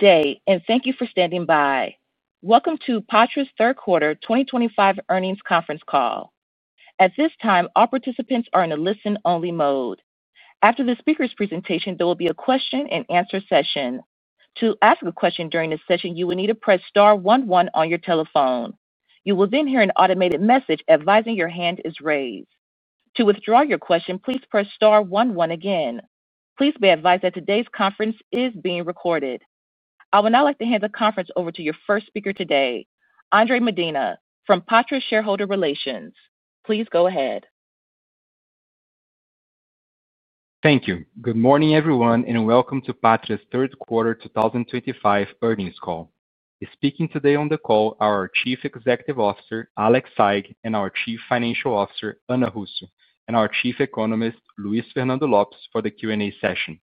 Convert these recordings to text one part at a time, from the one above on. day, and thank you for standing by. Welcome to Patria's Third Quarter 2025 Earnings Conference Call. At this time, all participants are in a listen-only mode. After the speaker's presentation, there will be a question-and-answer session. To ask a question during this session, you will need to press Star 11 on your telephone. You will then hear an automated message advising your hand is raised. To withdraw your question, please press Star 11 again. Please be advised that today's conference is being recorded. I would now like to hand the conference over to your first speaker today, Andre Medina, from Patria Shareholder Relations. Please go ahead. Thank you. Good morning, everyone, and welcome to Patria's Third Quarter 2025 Earnings Call. Speaking today on the call are our Chief Executive Officer, Alex Saigh, and our Chief Financial Officer, Ana Russo, and our Chief Economist, Luis Fernando Lopes, for the Q&A session.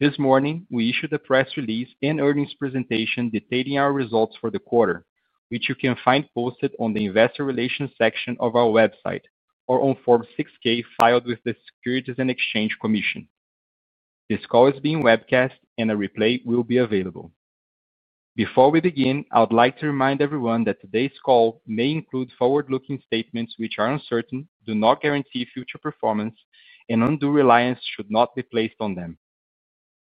This morning, we issued a press release and earnings presentation detailing our results for the quarter, which you can find posted on the Investor Relations section of our website or on Form 6-K filed with the Securities and Exchange Commission. This call is being webcast, and a replay will be available. Before we begin, I would like to remind everyone that today's call may include forward-looking statements which are uncertain, do not guarantee future performance, and undue reliance should not be placed on them.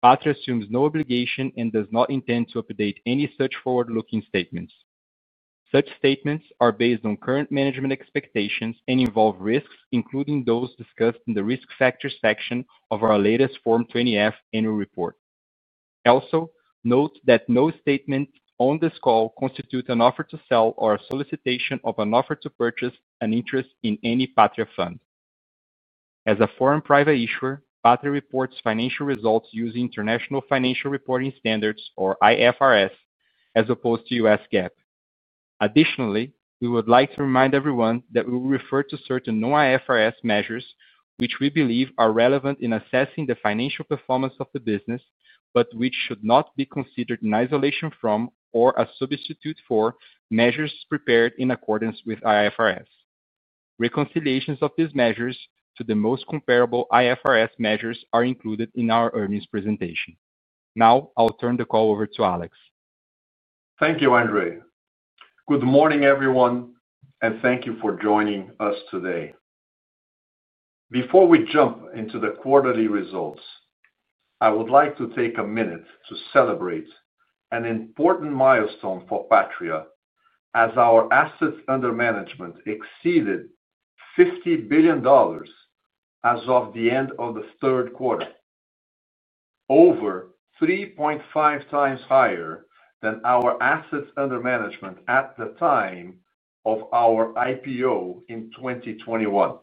Patria assumes no obligation and does not intend to update any such forward-looking statements. Such statements are based on current management expectations and involve risks, including those discussed in the risk factors section of our latest Form 20-F annual report. Also, note that no statement on this call constitutes an offer to sell or a solicitation of an offer to purchase an interest in any Patria fund. As a foreign private issuer, Patria reports financial results using International Financial Reporting Standards, or IFRS, as opposed to US GAAP. Additionally, we would like to remind everyone that we will refer to certain non-IFRS measures which we believe are relevant in assessing the financial performance of the business but which should not be considered in isolation from or a substitute for measures prepared in accordance with IFRS. Reconciliations of these measures to the most comparable IFRS measures are included in our earnings presentation. Now, I'll turn the call over to Alex. Thank you, Andre. Good morning, everyone, and thank you for joining us today. Before we jump into the quarterly results, I would like to take a minute to celebrate an important milestone for Patria as our assets under management exceeded $50 billion as of the end of the third quarter. Over 3.5 times higher than our assets under management at the time of our IPO in 2021.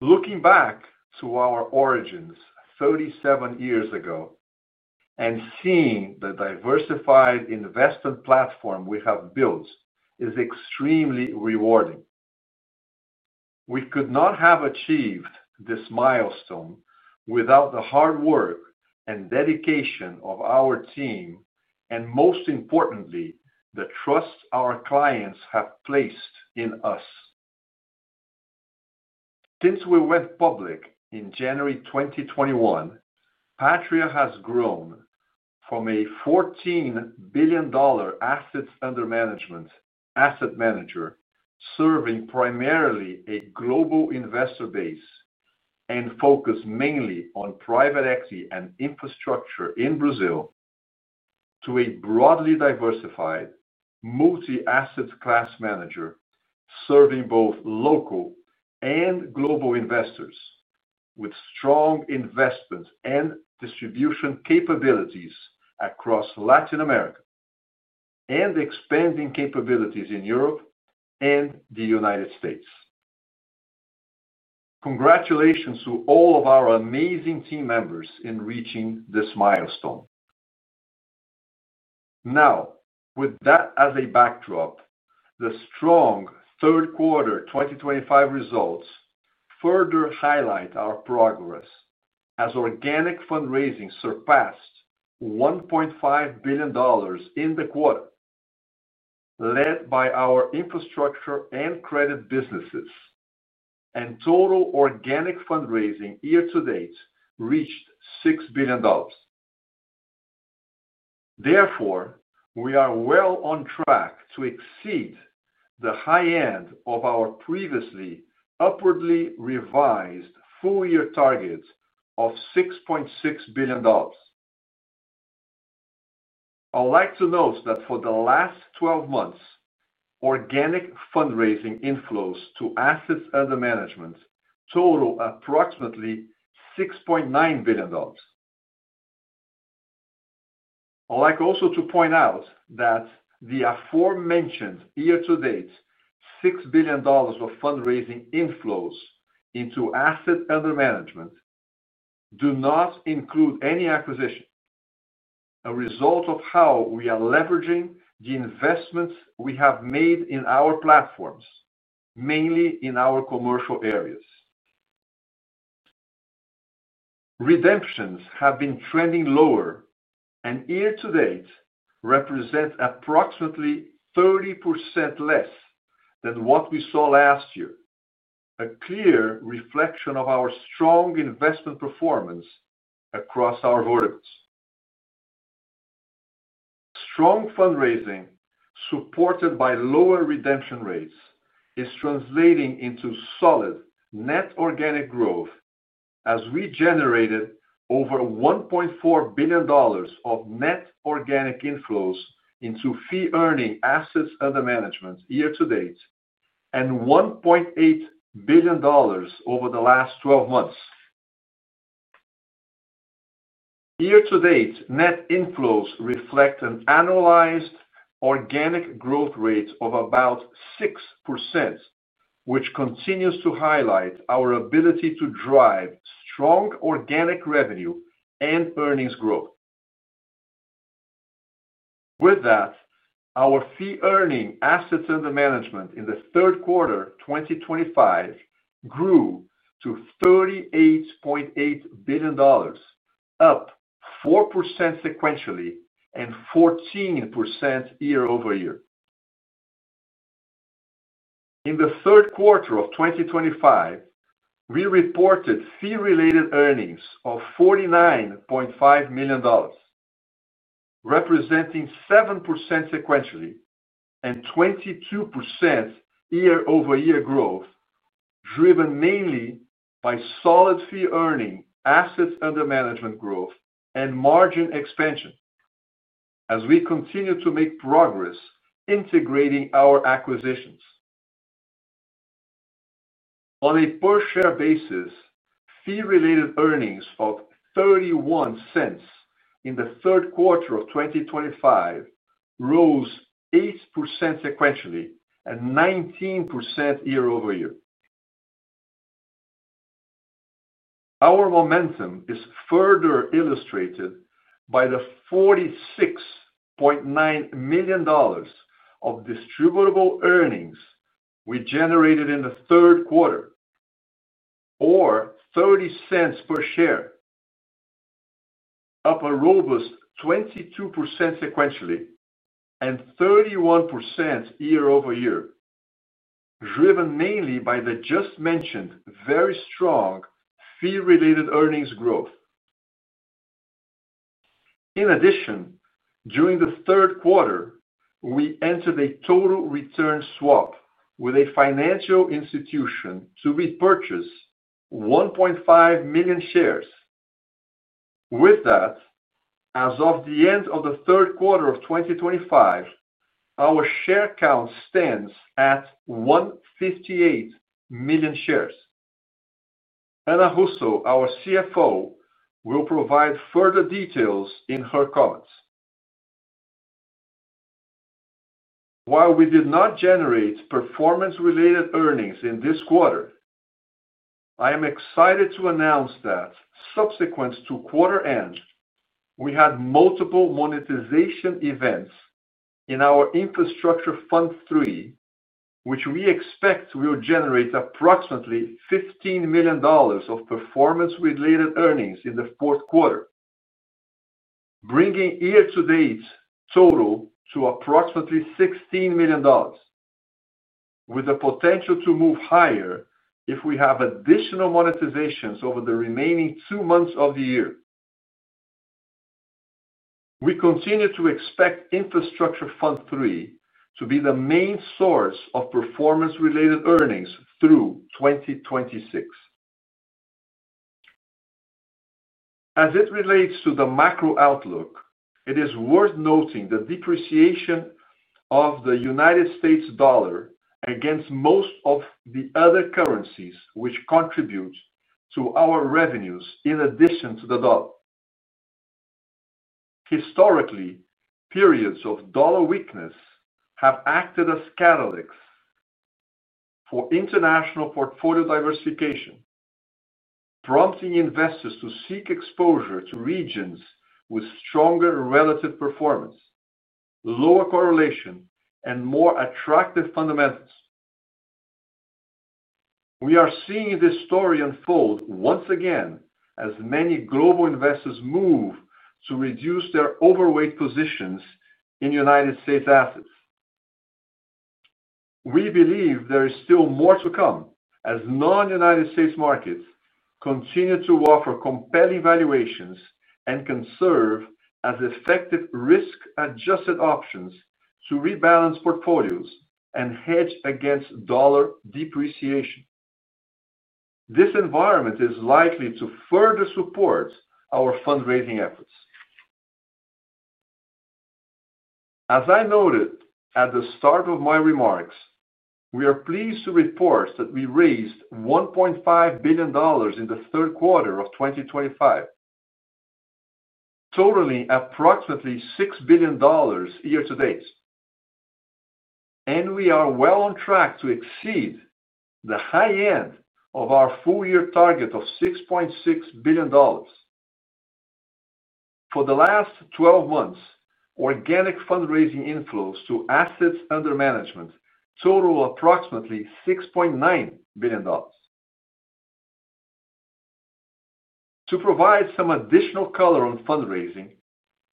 Looking back to our origins 37 years ago and seeing the diversified investment platform we have built is extremely rewarding. We could not have achieved this milestone without the hard work and dedication of our team, and most importantly, the trust our clients have placed in us. Since we went public in January 2021, Patria has grown from a $14 billion assets under management asset manager serving primarily a global investor base and focused mainly on private equity and infrastructure in Brazil to a broadly diversified multi-asset class manager serving both local and global investors with strong investment and distribution capabilities across Latin America and expanding capabilities in Europe and the United States. Congratulations to all of our amazing team members in reaching this milestone. Now, with that as a backdrop, the strong third quarter 2025 results further highlight our progress as organic fundraising surpassed $1.5 billion in the quarter, led by our infrastructure and credit businesses. And total organic fundraising year to date reached $6 billion. Therefore, we are well on track to exceed the high end of our previously upwardly revised full year target of $6.6 billion. I would like to note that for the last 12 months, organic fundraising inflows to assets under management total approximately $6.9 billion. I would like also to point out that the aforementioned year to date $6 billion of fundraising inflows into asset under management do not include any acquisition, a result of how we are leveraging the investments we have made in our platforms, mainly in our commercial areas. Redemptions have been trending lower and year to date represent approximately 30% less than what we saw last year, a clear reflection of our strong investment performance across our verticals. Strong fundraising supported by lower redemption rates is translating into solid net organic growth as we generated over $1.4 billion of net organic inflows into fee-earning assets under management year to date and $1.8 billion over the last 12 months. Year to date, net inflows reflect an annualized organic growth rate of about 6%, which continues to highlight our ability to drive strong organic revenue and earnings growth. With that, our fee-earning assets under management in the third quarter 2025 grew to $38.8 billion, up 4% sequentially and 14% year-over-year. In the third quarter of 2025, we reported fee-related earnings of $49.5 million, representing 7% sequentially and 22% year-over-year growth, driven mainly by solid fee-earning assets under management growth and margin expansion as we continue to make progress integrating our acquisitions. On a per-share basis, fee-related earnings of $0.31 in the third quarter of 2025 rose 8% sequentially and 19% year-over-year. Our momentum is further illustrated by the $46.9 million of distributable earnings we generated in the third quarter, or $0.30 per share, up a robust 22% sequentially and 31% year-over-year, driven mainly by the just mentioned very strong fee-related earnings growth. In addition, during the third quarter, we entered a total return swap with a financial institution to repurchase 1.5 million shares. With that, as of the end of the third quarter of 2025, our share count stands at 158 million shares. Ana Russo, our CFO, will provide further details in her comments. While we did not generate performance-related earnings in this quarter, I am excited to announce that subsequent to quarter end, we had multiple monetization events in our Infrastructure Fund III, which we expect will generate approximately $15 million of performance-related earnings in the fourth quarter, bringing year to date total to approximately $16 million, with the potential to move higher if we have additional monetizations over the remaining two months of the year. We continue to expect Infrastructure Fund III to be the main source of performance-related earnings through 2026. As it relates to the macro outlook, it is worth noting the depreciation of the United States dollar against most of the other currencies, which contribute to our revenues in addition to the dollar. Historically, periods of dollar weakness have acted as catalysts for international portfolio diversification, prompting investors to seek exposure to regions with stronger relative performance, lower correlation, and more attractive fundamentals. We are seeing this story unfold once again as many global investors move to reduce their overweight positions in United States assets. We believe there is still more to come as non-United States markets continue to offer compelling valuations and can serve as effective risk-adjusted options to rebalance portfolios and hedge against dollar depreciation. This environment is likely to further support our fundraising efforts. As I noted at the start of my remarks, we are pleased to report that we raised $1.5 billion in the third quarter of 2025, totaling approximately $6 billion year to date, and we are well on track to exceed the high end of our full year target of $6.6 billion. For the last 12 months, organic fundraising inflows to assets under management totaled approximately $6.9 billion. To provide some additional color on fundraising,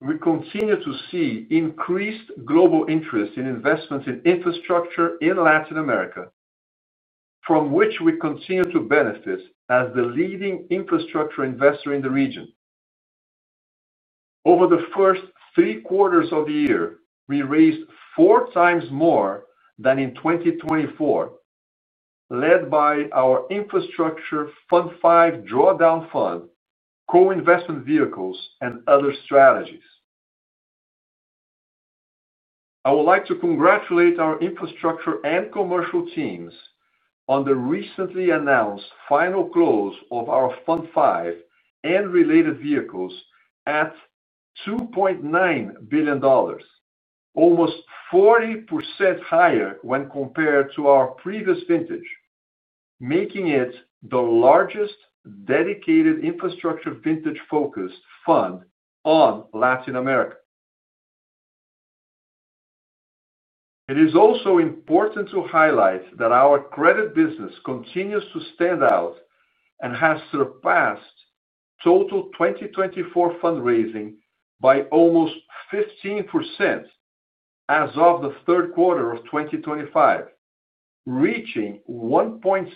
we continue to see increased global interest in investments in infrastructure in Latin America, from which we continue to benefit as the leading infrastructure investor in the region. Over the first three quarters of the year, we raised four times more than in 2024, led by our Infrastructure Fund V drawdown fund, co-investment vehicles, and other strategies. I would like to congratulate our infrastructure and commercial teams on the recently announced final close of our Fund V and related vehicles at $2.9 billion. Almost 40% higher when compared to our previous Vintage, making it the largest dedicated infrastructure Vintage-focused fund in Latin America. It is also important to highlight that our credit business continues to stand out and has surpassed total 2024 fundraising by almost 15%. As of the third quarter of 2025, reaching $1.6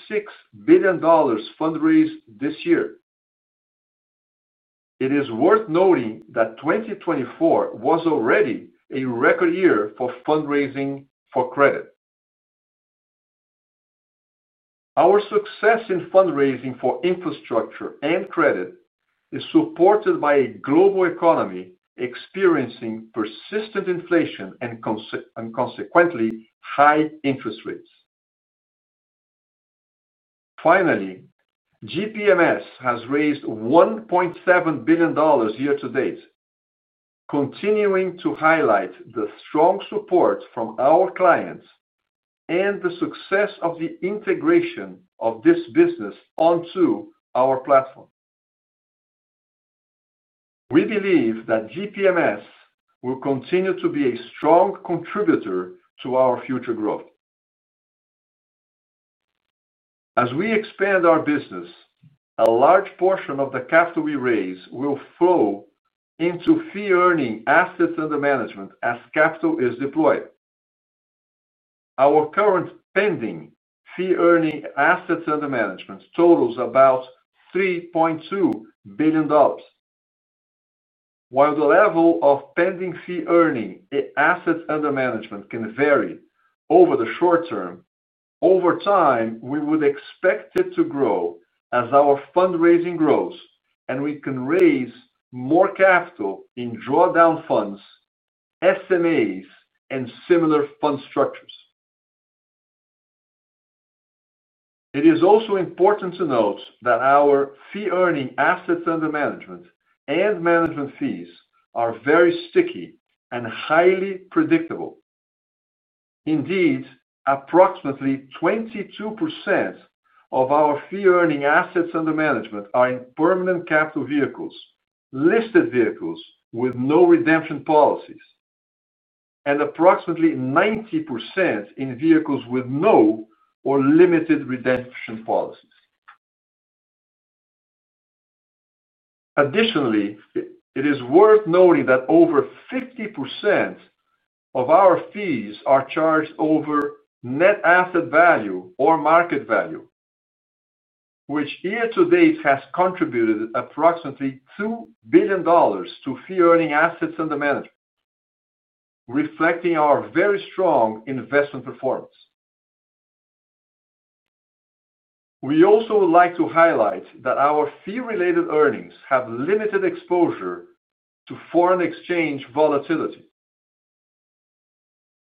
billion fundraised this year. It is worth noting that 2024 was already a record year for fundraising for credit. Our success in fundraising for infrastructure and credit is supported by a global economy experiencing persistent inflation and, consequently, high interest rates. Finally, GPMS has raised $1.7 billion year to date, continuing to highlight the strong support from our clients and the success of the integration of this business onto our platform. We believe that GPMS will continue to be a strong contributor to our future growth as we expand our business. A large portion of the capital we raise will flow into fee-earning assets under management as capital is deployed. Our current pending fee-earning assets under management totals about $3.2 billion. While the level of pending fee-earning assets under management can vary over the short term, over time we would expect it to grow as our fundraising grows and we can raise more capital in drawdown funds, SMAs, and similar fund structures. It is also important to note that our fee-earning assets under management and management fees are very sticky and highly predictable. Indeed, approximately 22% of our fee-earning assets under management are in permanent capital vehicles, listed vehicles with no redemption policies, and approximately 90% in vehicles with no or limited redemption policies. Additionally, it is worth noting that over 50% of our fees are charged over net asset value or market value, which year to date has contributed approximately $2 billion to fee-earning assets under management, reflecting our very strong investment performance. We also would like to highlight that our fee-related earnings have limited exposure to foreign exchange volatility.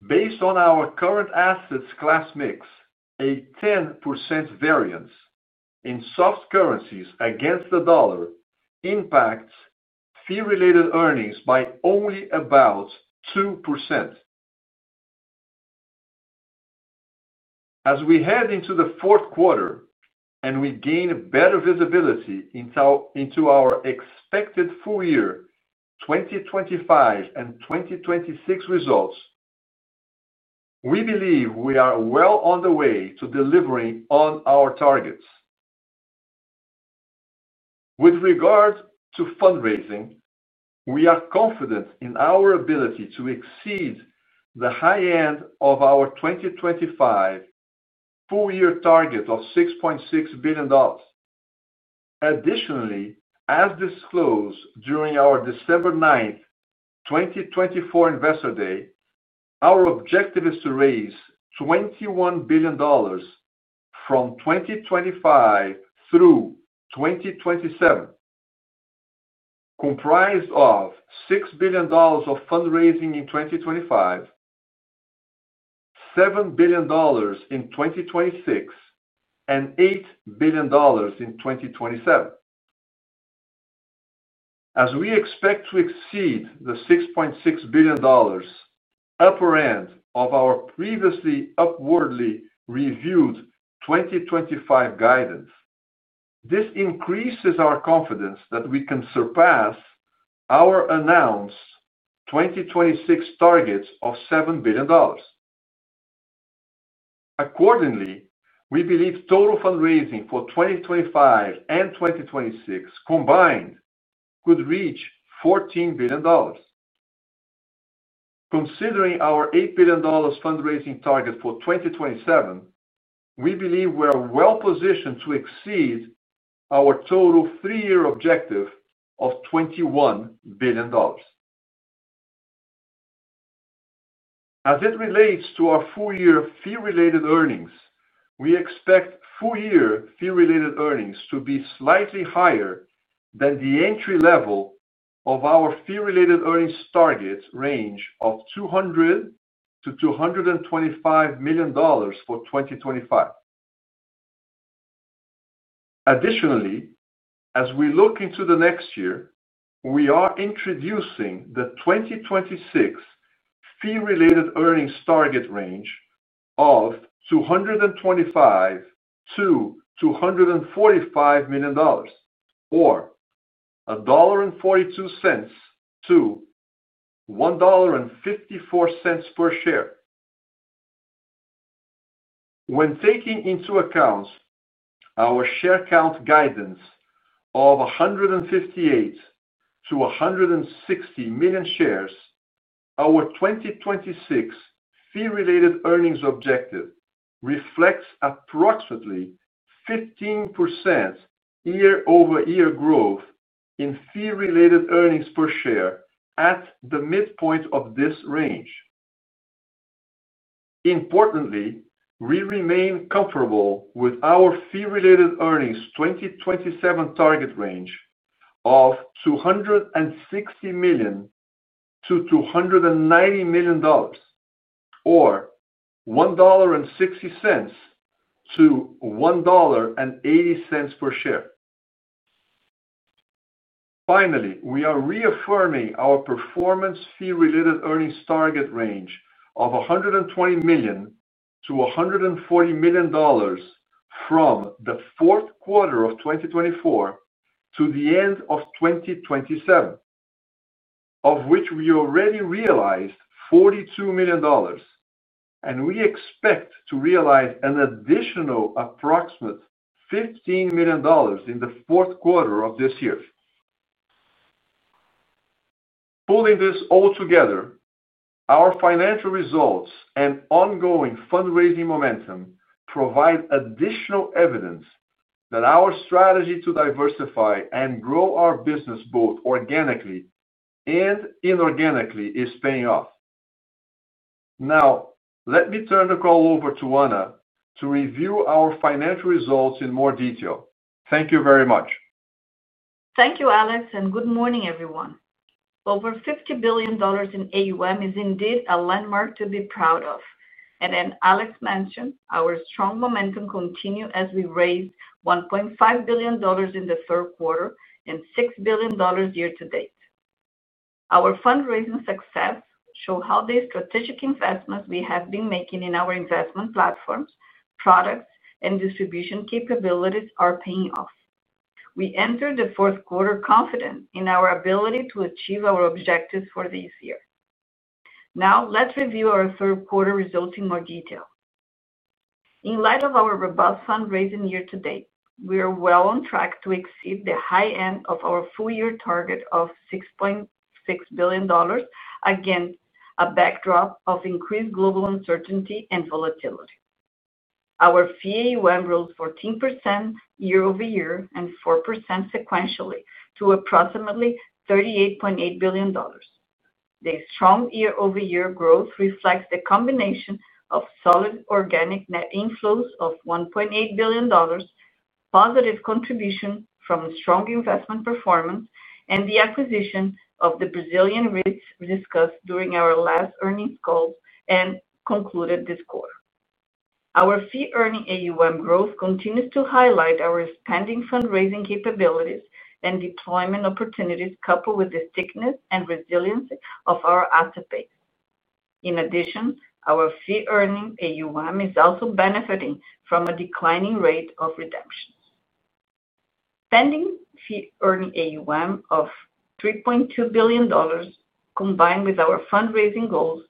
Based on our current asset class mix, a 10% variance in soft currencies against the dollar impacts fee-related earnings by only about 2%. As we head into the fourth quarter and we gain better visibility into our expected full year 2025 and 2026 results, we believe we are well on the way to delivering on our targets. With regard to fundraising, we are confident in our ability to exceed the high end of our 2025 full year target of $6.6 billion. Additionally, as disclosed during our December 9th, 2024 Investor Day, our objective is to raise $21 billion from 2025 through 2027, comprised of $6 billion of fundraising in 2025, $7 billion in 2026, and $8 billion in 2027. As we expect to exceed the $6.6 billion upper end of our previously upwardly reviewed 2025 guidance, this increases our confidence that we can surpass our announced 2026 target of $7 billion. Accordingly, we believe total fundraising for 2025 and 2026 combined could reach $14 billion, considering our $8 billion fundraising target for 2027. We believe we are well positioned to exceed our total three-year objective of $21 billion. As it relates to our full year fee-related earnings, we expect full year fee-related earnings to be slightly higher than the entry level of our fee-related earnings target range of $200 million-$225 million for 2025. Additionally, as we look into the next year, we are introducing the 2026 fee-related earnings target range of $225 million-$245 million, or $1.42-$1.54 per share. When taking into account our share count guidance of 158 million-160 million shares, our 2026 fee-related earnings objective reflects approximately 15% year-over-year growth in fee-related earnings per share at the midpoint of this range. Importantly, we remain comfortable with our fee-related earnings 2027 target range of $260 million-$290 million, or $1.60-$1.80 per share. Finally, we are reaffirming our performance-related earnings target range of $120 million-$140 million from the fourth quarter of 2024 to the end of 2027, of which we already realized $42 million, and we expect to realize an additional approximate $15 million in the fourth quarter of this year. Pulling this all together, our financial results and ongoing fundraising momentum provide additional evidence that our strategy to diversify and grow our business both organically and inorganically is paying off. Now, let me turn the call over to Ana to review our financial results in more detail. Thank you very much. Thank you, Alex, and good morning, everyone. Over $50 billion in AUM is indeed a landmark to be proud of. And as Alex mentioned, our strong momentum continued as we raised $1.5 billion in the third quarter and $6 billion year to date. Our fundraising success shows how the strategic investments we have been making in our investment platforms, products, and distribution capabilities are paying off. We entered the fourth quarter confident in our ability to achieve our objectives for this year. Now, let's review our third quarter results in more detail. In light of our robust fundraising year to date, we are well on track to exceed the high end of our full year target of $6.6 billion against a backdrop of increased global uncertainty and volatility. Our Fee AUM rose 14% year-over-year and 4% sequentially to approximately $38.8 billion. The strong year-over-year growth reflects the combination of solid organic net inflows of $1.8 billion, positive contribution from strong investment performance, and the acquisition of the Brazilian Ritz discussed during our last earnings call and concluded this quarter. Our fee-earning AUM growth continues to highlight our pending fundraising capabilities and deployment opportunities coupled with the stickiness and resilience of our asset base. In addition, our fee-earning AUM is also benefiting from a declining rate of redemption. Pending fee-earning AUM of $3.2 billion. Combined with our fundraising goals,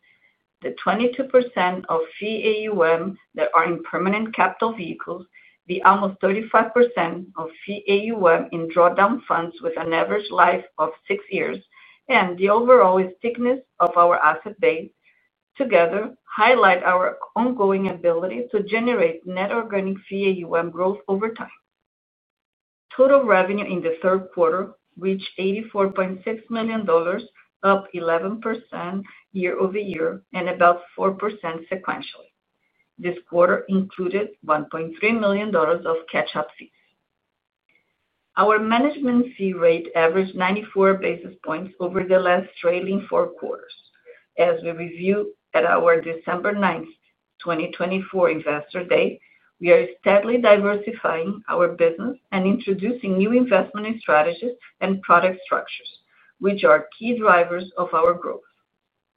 the 22% of fee AUM that are in permanent capital vehicles, the almost 35% of fee AUM in drawdown funds with an average life of six years, and the overall stickiness of our asset base together highlight our ongoing ability to generate net organic fee AUM growth over time. Total revenue in the third quarter reached $84.6 million, up 11% year-over-year and about 4% sequentially. This quarter included $1.3 million of catch-up fees. Our management fee rate averaged 94 basis points over the last trailing four quarters. As we review at our December 9th, 2024 Investor Day, we are steadily diversifying our business and introducing new investment strategies and product structures, which are key drivers of our growth.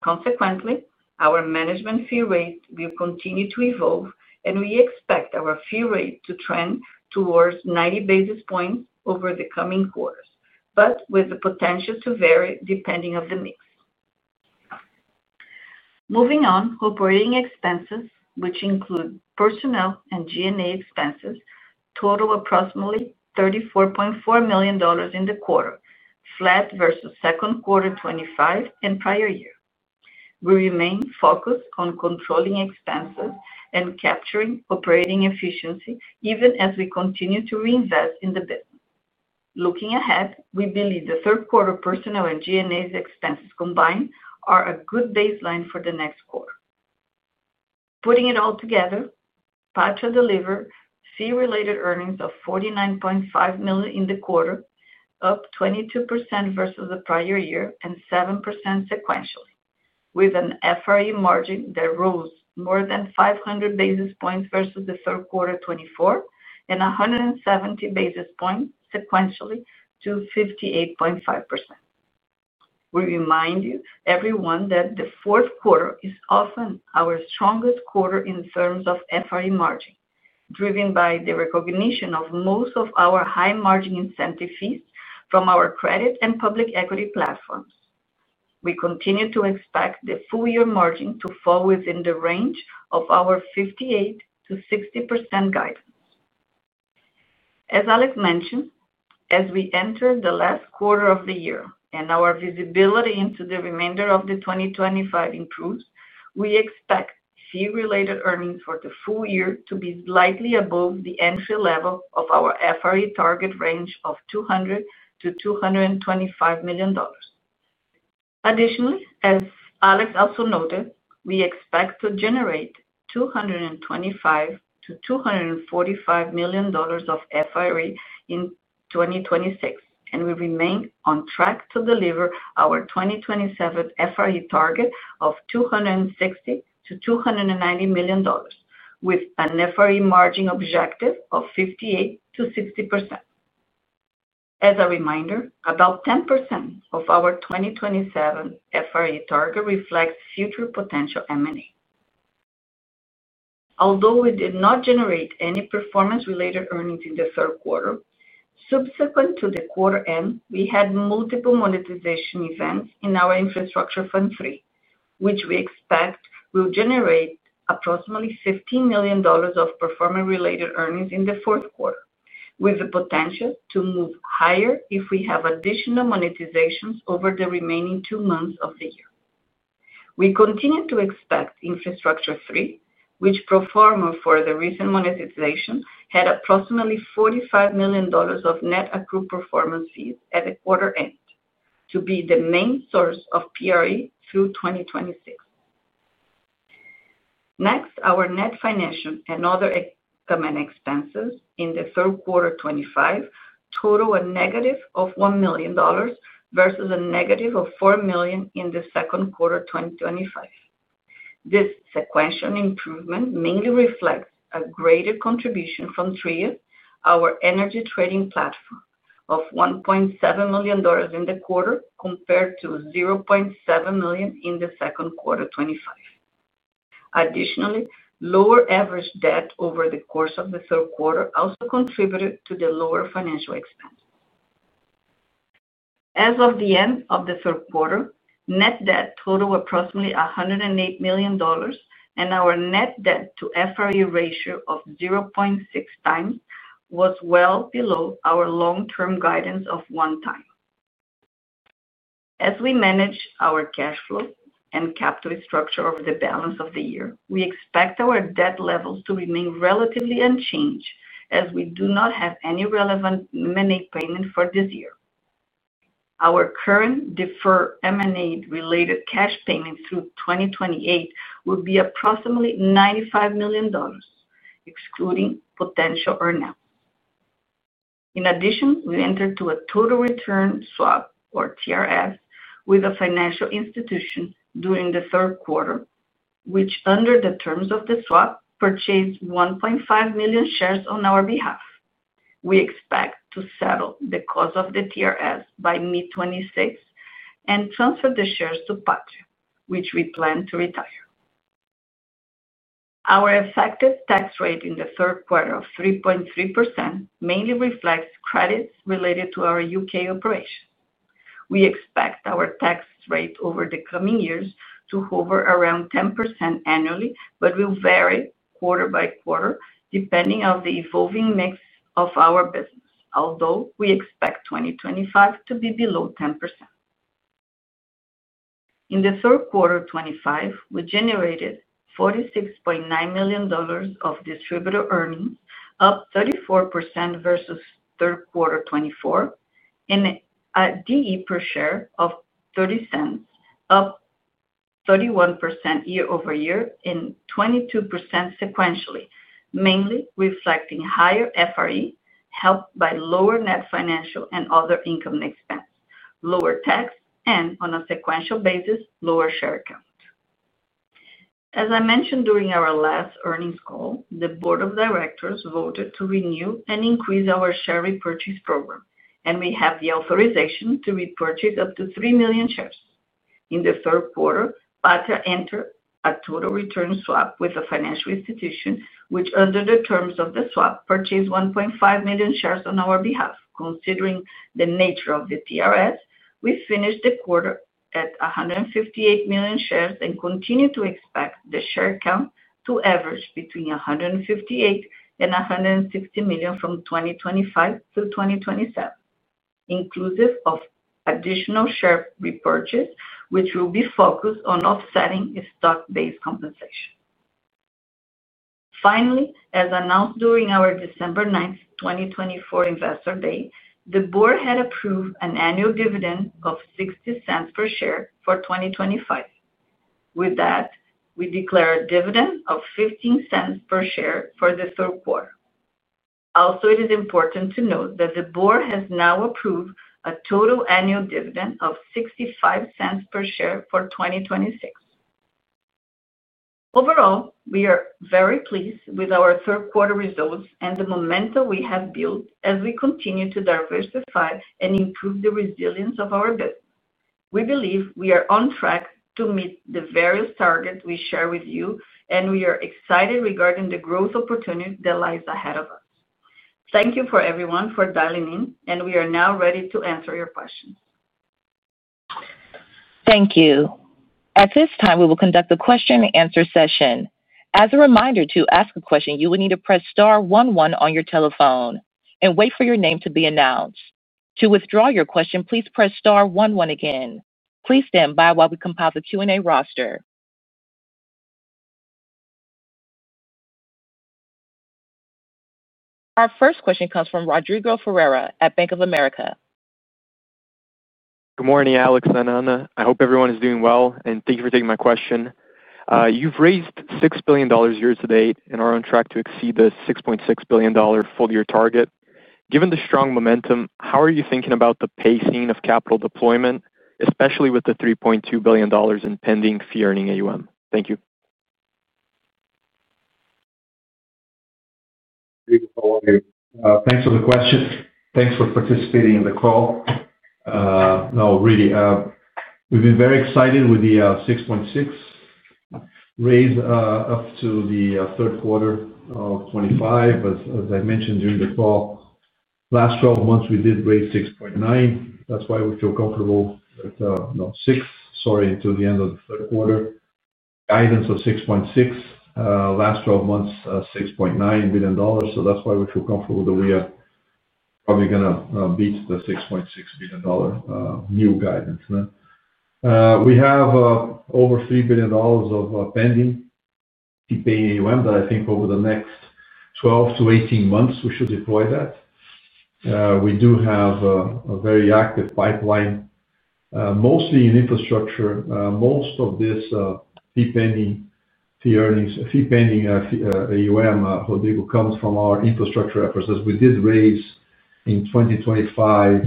Consequently, our management fee rate will continue to evolve, and we expect our fee rate to trend towards 90 basis points over the coming quarters, but with the potential to vary depending on the mix. Moving on, operating expenses, which include personnel and G&A expenses, total approximately $34.4 million in the quarter, flat versus second quarter 2025 and prior year. We remain focused on controlling expenses and capturing operating efficiency even as we continue to reinvest in the business. Looking ahead, we believe the third quarter personnel and G&A expenses combined are a good baseline for the next quarter. Putting it all together, Patria delivered fee-related earnings of $49.5 million in the quarter, up 22% versus the prior year and 7% sequentially. With an FRE margin, there rose more than 500 basis points versus the third quarter 2024 and 170 basis points sequentially to 58.5%. We remind you, everyone, that the fourth quarter is often our strongest quarter in terms of FRE margin, driven by the recognition of most of our high-margin incentive fees from our credit and public equity platforms. We continue to expect the full year margin to fall within the range of our 58%-60% guidance. As Alex mentioned, as we enter the last quarter of the year and our visibility into the remainder of the 2025 improves, we expect fee-related earnings for the full year to be slightly above the entry level of our FRE target range of $200 million-$225 million. Additionally, as Alex also noted, we expect to generate $225 million-$245 million of FRE in 2026, and we remain on track to deliver our 2027 FRE target of $260 million-$290 million, with an FRE margin objective of 58%-60%. As a reminder, about 10% of our 2027 FRE target reflects future potential M&A. Although we did not generate any performance-related earnings in the third quarter, subsequent to the quarter end, we had multiple monetization events in our Infrastructure Fund III, which we expect will generate approximately $15 million of performance-related earnings in the fourth quarter, with the potential to move higher if we have additional monetizations over the remaining two months of the year. We continue to expect Infrastructure Fund III, which performed for the recent monetization had approximately $45 million of net accrued performance fees at the quarter end, to be the main source of PRE through 2026. Next, our net financing and other income and expenses in the third quarter 2025 total a negative of $1 million versus a negative of $4 million in the second quarter 2025. This sequential improvement mainly reflects a greater contribution from Tria, our energy trading platform, of $1.7 million in the quarter compared to $0.7 million in the second quarter 2025. Additionally, lower average debt over the course of the third quarter also contributed to the lower financial expense. As of the end of the third quarter, net debt totaled approximately $108 million, and our net debt to FRE ratio of 0.6x was well below our long-term guidance of one time. As we manage our cash flow and capital structure over the balance of the year, we expect our debt levels to remain relatively unchanged as we do not have any relevant M&A payments for this year. Our current deferred M&A-related cash payments through 2028 would be approximately $95 million, excluding potential earnout. In addition, we entered a total return swap, or TRS, with a financial institution during the third quarter, which, under the terms of the swap, purchased 1.5 million shares on our behalf. We expect to settle the cost of the TRS by mid-2026 and transfer the shares to Patria, which we plan to retire. Our effective tax rate in the third quarter of 3.3% mainly reflects credits related to our U.K. operation. We expect our tax rate over the coming years to hover around 10% annually, but will vary quarter by quarter depending on the evolving mix of our business, although we expect 2025 to be below 10%. In the third quarter 2025, we generated $46.9 million of distributable earnings, up 34% versus third quarter 2024. And a DE per share of $0.30, up 31% year-over-year and 22% sequentially, mainly reflecting higher FRE helped by lower net financial and other income expense, lower tax, and on a sequential basis, lower share count. As I mentioned during our last earnings call, the board of directors voted to renew and increase our share repurchase program, and we have the authorization to repurchase up to 3 million shares. In the third quarter, Patria entered a total return swap with a financial institution, which, under the terms of the swap, purchased 1.5 million shares on our behalf. Considering the nature of the TRS, we finished the quarter at 158 million shares and continue to expect the share count to average between 158 and 160 million from 2025 to 2027, inclusive of additional share repurchase, which will be focused on offsetting stock-based compensation. Finally, as announced during our December 9th, 2024 Investor Day, the board had approved an annual dividend of $0.60 per share for 2025. With that, we declared a dividend of $0.15 per share for the third quarter. Also, it is important to note that the board has now approved a total annual dividend of $0.65 per share for 2026. Overall, we are very pleased with our third quarter results and the momentum we have built as we continue to diversify and improve the resilience of our business. We believe we are on track to meet the various targets we share with you, and we are excited regarding the growth opportunities that lie ahead of us. Thank you for everyone for dialing in, and we are now ready to answer your questions. Thank you. At this time, we will conduct the question-and-answer session. As a reminder to ask a question, you will need to press star one, one on your telephone and wait for your name to be announced. To withdraw your question, please press star one, one again. Please stand by while we compile the Q&A roster. Our first question comes from Rodrigo Ferreira at Bank of America. Good morning, Alex and Ana. I hope everyone is doing well, and thank you for taking my question. You've raised $6 billion year to date and are on track to exceed the $6.6 billion full-year target. Given the strong momentum, how are you thinking about the pacing of capital deployment, especially with the $3.2 billion in pending fee-earning AUM? Thank you. Thanks for the question. Thanks for participating in the call. No, really, we've been very excited with the $6.6 billion. Raised up to the third quarter of 2025, as I mentioned during the call. Last 12 months, we did raise $6.9 billion. That's why we feel comfortable at, no, $6 billion, sorry, until the end of the third quarter. Guidance was $6.6 billion. Last 12 months, $6.9 billion. So that's why we feel comfortable that we are probably going to beat the $6.6 billion new guidance. We have over $3 billion of pending fee-paying AUM that I think over the next 12 to 18 months, we should deploy that. We do have a very active pipeline, mostly in infrastructure. Most of this pending fee-earning AUM, Rodrigo comes from our infrastructure efforts. As we did raise in 2025.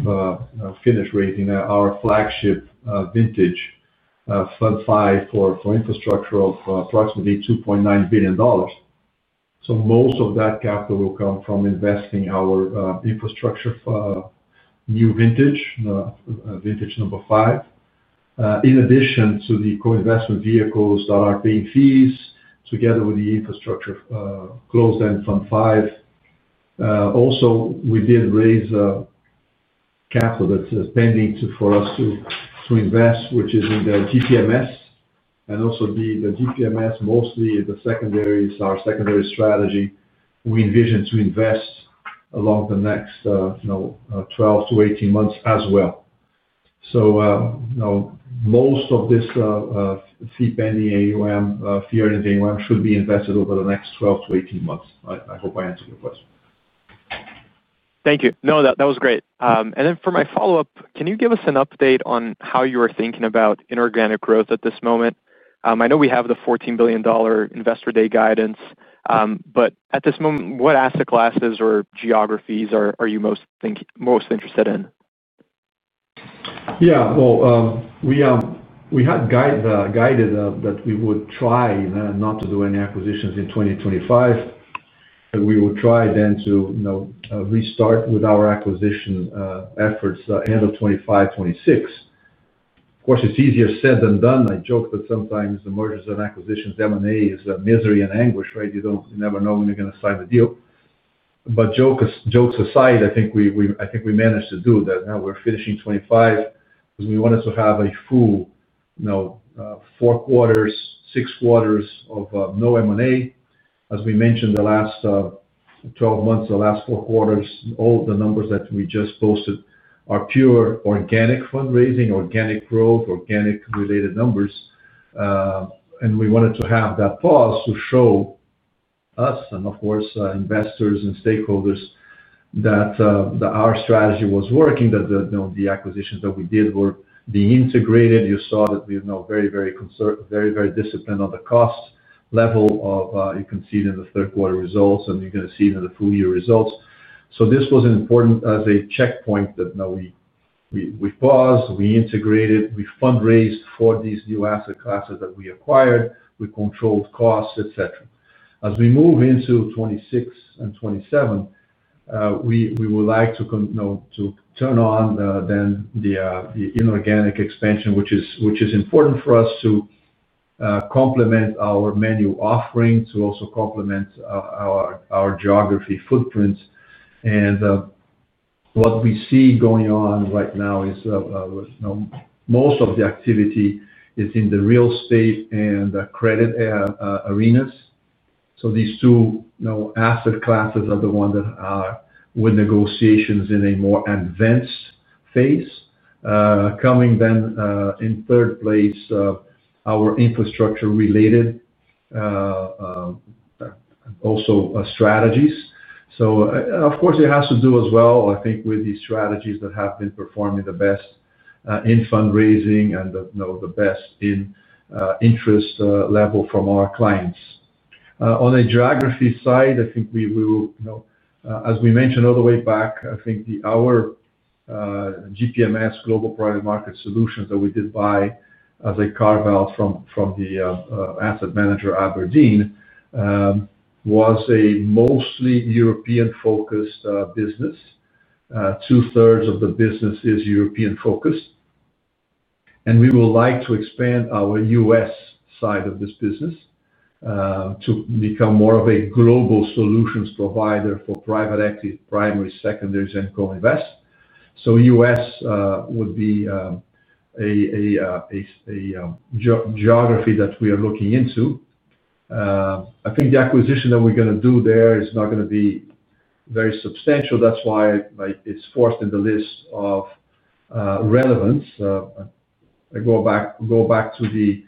Finished raising our flagship Vintage Fund V for infrastructure of approximately $2.9 billion. So most of that capital will come from investing our infrastructure New Vintage, Vintage Number V. In addition to the co-investment vehicles that are paying fees together with the infrastructure closed-end Fund V. Also, we did raise capital that's pending for us to invest, which is in the GPMS and also in the GPMS, mostly the secondary, it's our secondary strategy. We envision to invest over the next 12 to 18 months as well. So most of this pending fee-earning AUM, fee-earning AUM should be invested over the next 12 to 18 months. I hope I answered your question. Thank you. No, that was great. And then for my follow-up, can you give us an update on how you are thinking about inorganic growth at this moment? I know we have the $14 billion Investor Day guidance, but at this moment, what asset classes or geographies are you most interested in? Yeah, well, we had guided that we would try not to do any acquisitions in 2025. And we will try then to restart with our acquisition efforts end of 2025, 2026. Of course, it's easier said than done. I joke that sometimes the mergers and acquisitions, M&A is a misery and anguish, right? You don't never know when you're going to sign the deal. But jokes aside, I think we managed to do that. Now we're finishing 2025 because we wanted to have a full four quarters, six quarters of no M&A. As we mentioned the last 12 months, the last four quarters, all the numbers that we just posted are pure organic fundraising, organic growth, organic related numbers. And we wanted to have that pause to show us, and of course, investors and stakeholders that our strategy was working, that the acquisitions that we did were being integrated. You saw that we are very, very disciplined on the cost level of you can see it in the third quarter results, and you can see it in the full year results. So this was important as a checkpoint that we paused, we integrated, we fundraised for these new asset classes that we acquired, we controlled costs, etc. As we move into 2026 and 2027, we would like to turn on then the inorganic expansion, which is important for us to complement our menu offering, to also complement our geography footprint. And what we see going on right now is most of the activity is in the real estate and credit arenas. So these two asset classes are the ones that are with negotiations in a more advanced phase. Coming then in third place, our infrastructure-related also strategies. So of course, it has to do as well, I think, with the strategies that have been performing the best in fundraising and the best in interest level from our clients. On a geography side, I think we will, as we mentioned all the way back, I think our GPMS, Global Private Markets Solutions that we did buy, as a carve out from the asset manager, Aberdeen, was a mostly European-focused business. Two-thirds of the business is European-focused. And we would like to expand our U.S. side of this business to become more of a global solutions provider for private equity, primary, secondaries, and co-invest. So U.S. would be a geography that we are looking into. I think the acquisition that we're going to do there is not going to be very substantial. That's why it's forced in the list of relevance. I go back to the.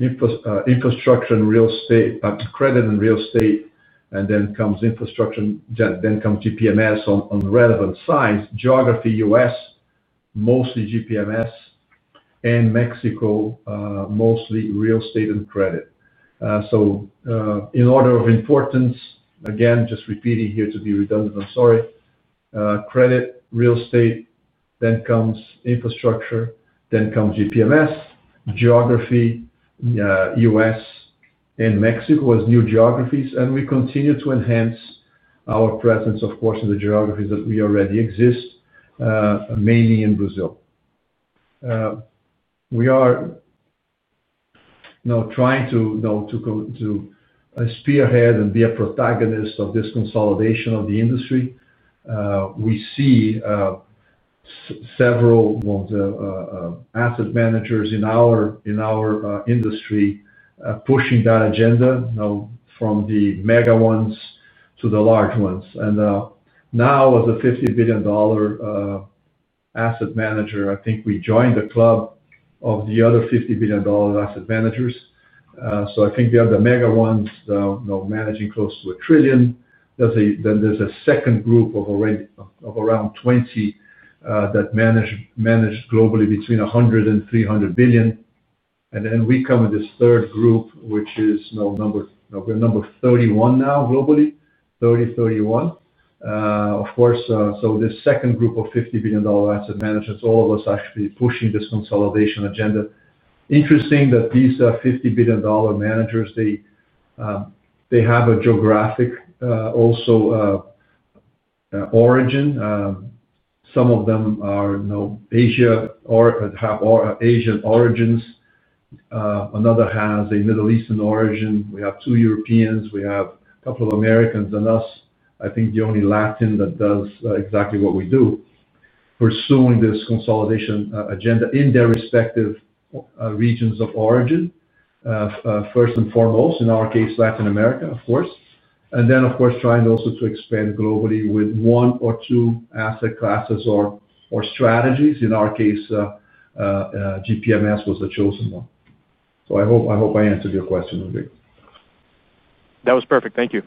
Infrastructure and real estate, credit and real estate, and then comes infrastructure, then come GPMS on relevant size, geography U.S., mostly GPMS. And Mexico, mostly real estate and credit. So in order of importance, again, just repeating here to be redundant, I'm sorry. Credit, real estate, then comes infrastructure, then comes GPMS, geography. U.S., and Mexico as new geographies. And we continue to enhance our presence, of course, in the geography that we already exist. Mainly in Brazil. We are trying to spearhead and be a protagonist of this consolidation of the industry. We see several of the asset managers in our industry pushing that agenda from the mega ones to the large ones. And now, as a $50 billion asset manager, I think we joined the club of the other $50 billion asset managers. So I think we have the mega ones, managing close to a trillion. Then there's a second group of around 20 that manage globally between $100 billion and $300 billion. And then we come in this third group, which is number 31 now globally, 30, 31. Of course, so this second group of $50 billion asset managers, all of us actually pushing this consolidation agenda. Interesting that these $50 billion managers have a geographic also origin. Some of them are Asia or have Asian origins. Another has a Middle Eastern origin. We have two Europeans. We have a couple of Americans and us, I think the only Latin that does exactly what we do. Pursuing this consolidation agenda in their respective regions of origin. First and foremost, in our case, Latin America, of course. And then, of course, trying also to expand globally with one or two asset classes or strategies. In our case. GPMS was the chosen one. So I hope I answered your question. That was perfect. Thank you.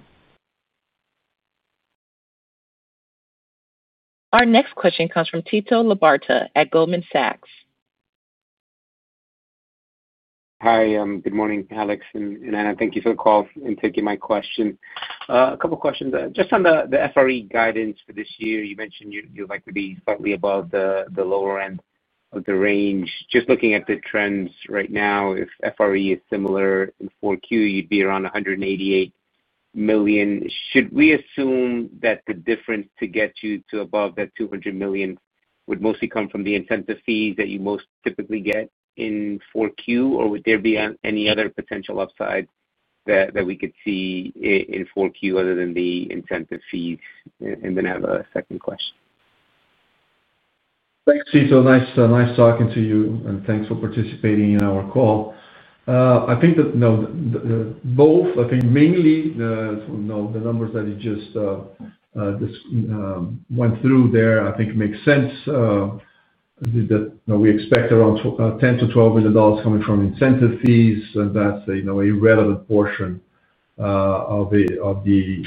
Our next question comes from Tito Labarta at Goldman Sachs. Hi, good morning, Alex and Ana. Thank you for the call and taking my question. A couple of questions. Just on the FRE guidance for this year, you mentioned you'd like to be slightly above the lower end of the range. Just looking at the trends right now, if FRE is similar in 4Q, you'd be around $188 million. Should we assume that the difference to get you to above that $200 million would mostly come from the incentive fees that you most typically get in 4Q, or would there be any other potential upside that we could see in 4Q other than the incentive fees? And then I have a second question. Tito, nice talking to you, and thanks for participating in our call. I think that both, I think mainly the numbers that you just went through there, I think, make sense. We expect around $10 million-$12 million coming from incentive fees, and that's a relevant portion of the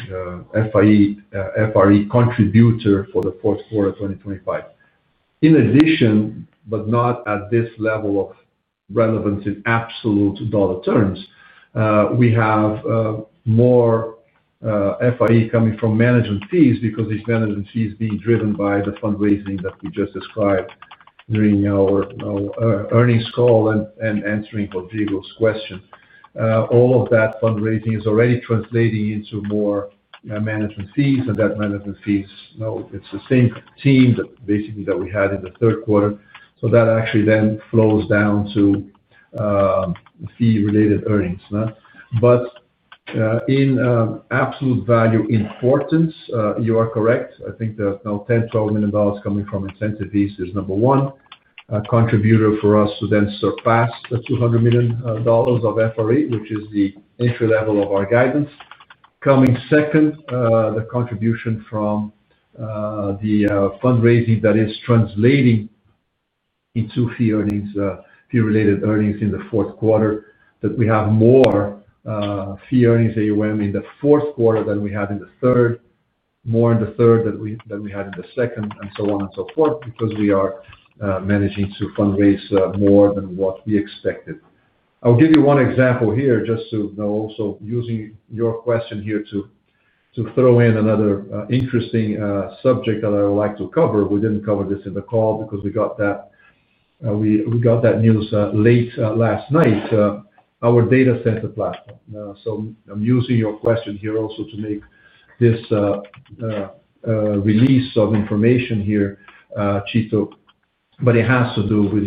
FRE contributor for the portfolio 2025. In addition, but not at this level of relevance in absolute dollar terms, we have more. FRE coming from management fees because these management fees are being driven by the fundraising that we just described during our earnings call and answering Rodrigo's question. All of that fundraising is already translating into more management fees, and that management fees, it's the same team basically that we had in the third quarter. So that actually then flows down to fee-related earnings, but in absolute value importance, you are correct. I think that $10 million-$12 million coming from incentive fees is number one contributor for us to then surpass the $200 million of FRE, which is the entry level of our guidance. Coming second, the contribution from the fundraising that is translating into fee-related earnings in the fourth quarter, that we have more fee-earning AUM in the fourth quarter than we had in the third. More in the third than we had in the second, and so on and so forth, because we are managing to fundraise more than what we expected. I'll give you one example here, just to also use your question here to throw in another interesting subject that I would like to cover. We didn't cover this in the call because we got that news late last night. Our data center platform. So I'm using your question here also to make this release of information here, Tito, but it has to do with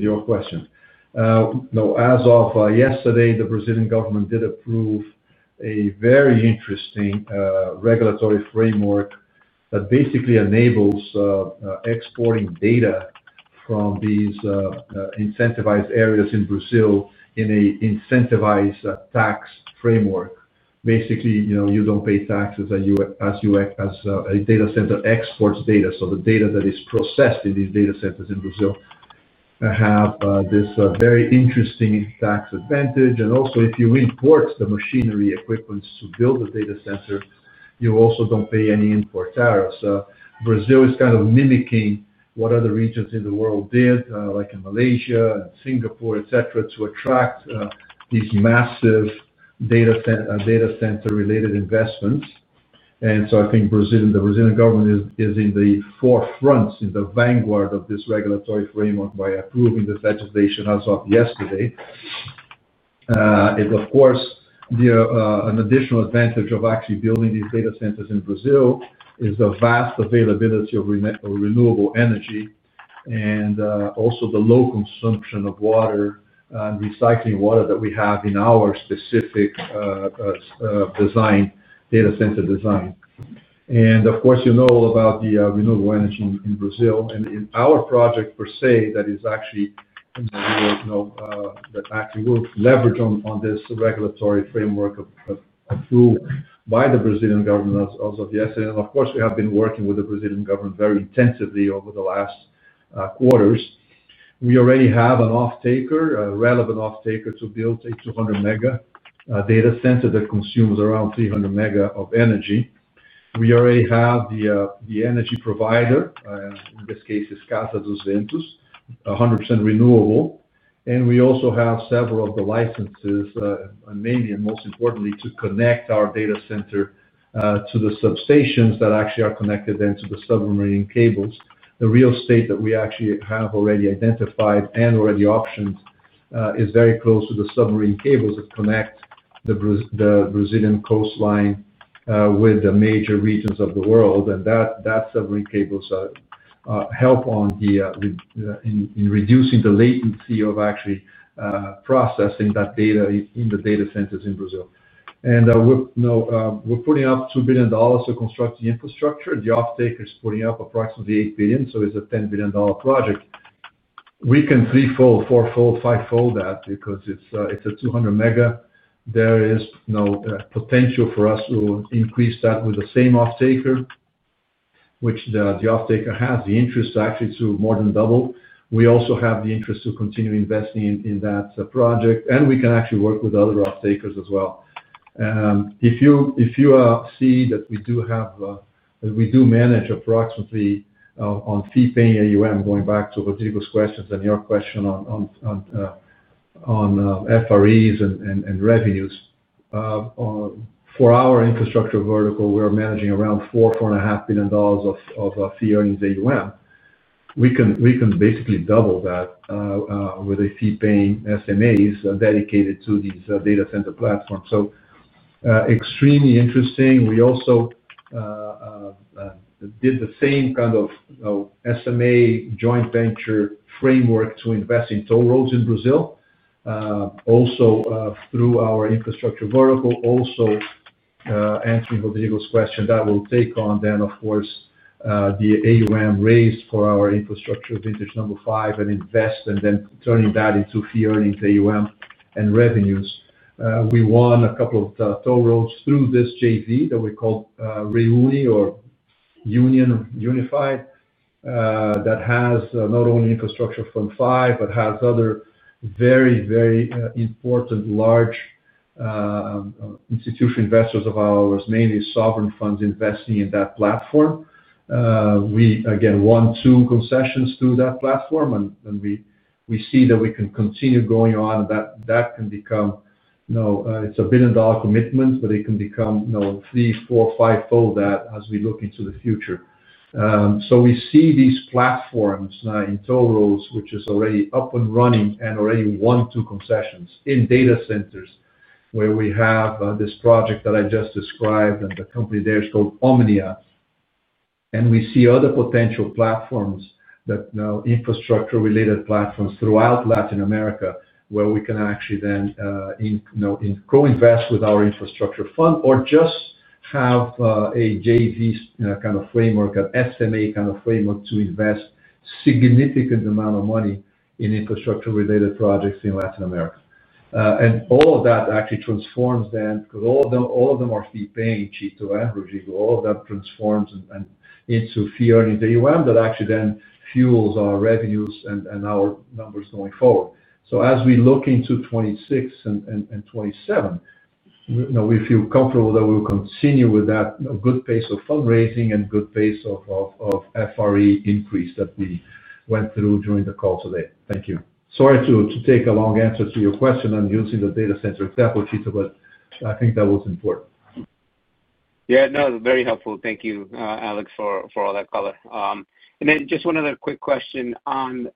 your question. As of yesterday, the Brazilian government did approve a very interesting regulatory framework that basically enables exporting data from these incentivized areas in Brazil in an incentivized tax framework. Basically, you don't pay taxes as a data center exports data. So the data that is processed in these data centers in Brazil have this very interesting tax advantage. And also, if you import the machinery equipment to build a data center, you also don't pay any import tariffs. Brazil is kind of mimicking what other regions in the world did, like in Malaysia, Singapore, etc., to attract these massive data center-related investments. And so I think the Brazilian government is in the forefront, in the vanguard of this regulatory framework by approving the federation as of yesterday. Of course, an additional advantage of actually building these data centers in Brazil is the vast availability of renewable energy and also the low consumption of water and recycling water that we have in our specific data center design. And of course, you know all about the renewable energy in Brazil. And in our project, per se, that actually will leverage on this regulatory framework by the Brazilian government as of yesterday. And of course, we have been working with the Brazilian government very intensively over the last quarters. We already have an off-taker, a relevant off-taker to build a 200 MW data center that consumes around 300 MW of energy. We already have the energy provider, in this case, is Casa dos Ventos, 100% renewable. And we also have several of the licenses, mainly and most importantly, to connect our data center to the substations that actually are connected then to the submarine cables. The real estate that we actually have already identified and already optioned is very close to the submarine cables that connect the Brazilian coastline with the major regions of the world. And that submarine cables help on reducing the latency of actually processing that data in the data centers in Brazil. And we're putting up $2 billion to construct the infrastructure. The off-taker is putting up approximately $8 billion, so it's a $10 billion project. We can threefold, fourfold, fivefold that because it's a 200 MW. There is potential for us to increase that with the same off-taker. Which the off-taker has, the interest actually to more than double. We also have the interest to continue investing in that project, and we can actually work with other off-takers as well. If you see that we have we manage approximately on fee-paying AUM, going back to Rodrigo's questions and your question on FREs and revenues. For our infrastructure vertical, we're managing around $4 biliion-$4.5 billion of fee earnings AUM. We can basically double that with the fee-paying SMAs dedicated to these data center platforms. So extremely interesting. We also did the same kind of SMA joint venture framework to invest in toll roads in Brazil. Also through our infrastructure vertical, also answering Rodrigo's question, that will take on then, of course, the AUM raised for our infrastructure Vintage Number V and invest, and then turning that into fee earnings AUM and revenues. We won a couple of toll roads through this JV that we call Reuni or Union Unified. That has not only infrastructure from V, but has other very, very important large institution investors of ours, mainly sovereign funds investing in that platform. We, again, won two concessions through that platform, and we see that we can continue going on, and that can become. It's a billion-dollar commitment, but it can become three, four, fivefold that as we look into the future. So we see these platforms now in toll roads, which is already up and running and already won two concessions in data centers where we have this project that I just described, and the company there is called Omnia. And we see other potential platforms, infrastructure-related platforms throughout Latin America, where we can actually then co-invest with our infrastructure fund or just have a JV kind of framework, an SMA kind of framework to invest a significant amount of money in infrastructure-related projects in Latin America. And all of that actually transforms then, because all of them are fee-paying, Tito, Rodrigo, all of that transforms into fee earnings AUM that actually then fuels our revenues and our numbers going forward. So as we look into 2026 and 2027. We feel comfortable that we will continue with that good pace of fundraising and good pace of. FRE increase that we went through during the call today. Thank you. Sorry to take a long answer to your question. I'm using the data center example, Tito, but I think that was important. Yeah, no, very helpful. Thank you, Alex, for all that color. And then just one other quick question on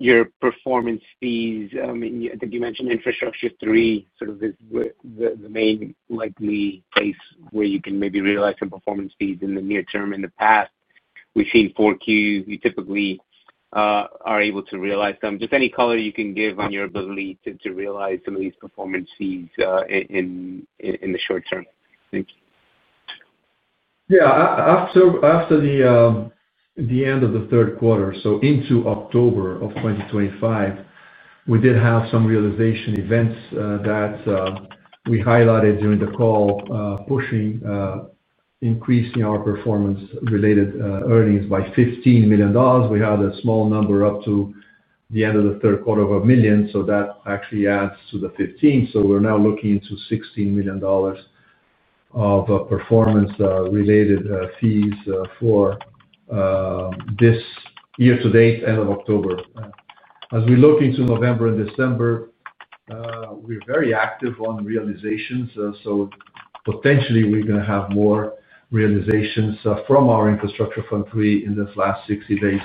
your performance fees. I think you mentioned Infrastructure Fund III, sort of the main likely case where you can maybe realize some performance fees in the near term. In the past, we've seen 4Q. You typically are able to realize them. Just any color you can give on your ability to realize some of these performance fees in the short term. Thanks. Yeah. After the end of the third quarter, so into October 2025, we did have some realization events that we highlighted during the call, pushing increasing our performance-related earnings by $15 million. We have a small number up to the end of the third quarter of $1 million, so that actually adds to the 15. So we're now looking into $16 million of performance-related fees for this year to date, end of October. As we look into November and December, we're very active on realizations. So potentially, we're going to have more realizations from our Infrastructure Fund III in this last 60 days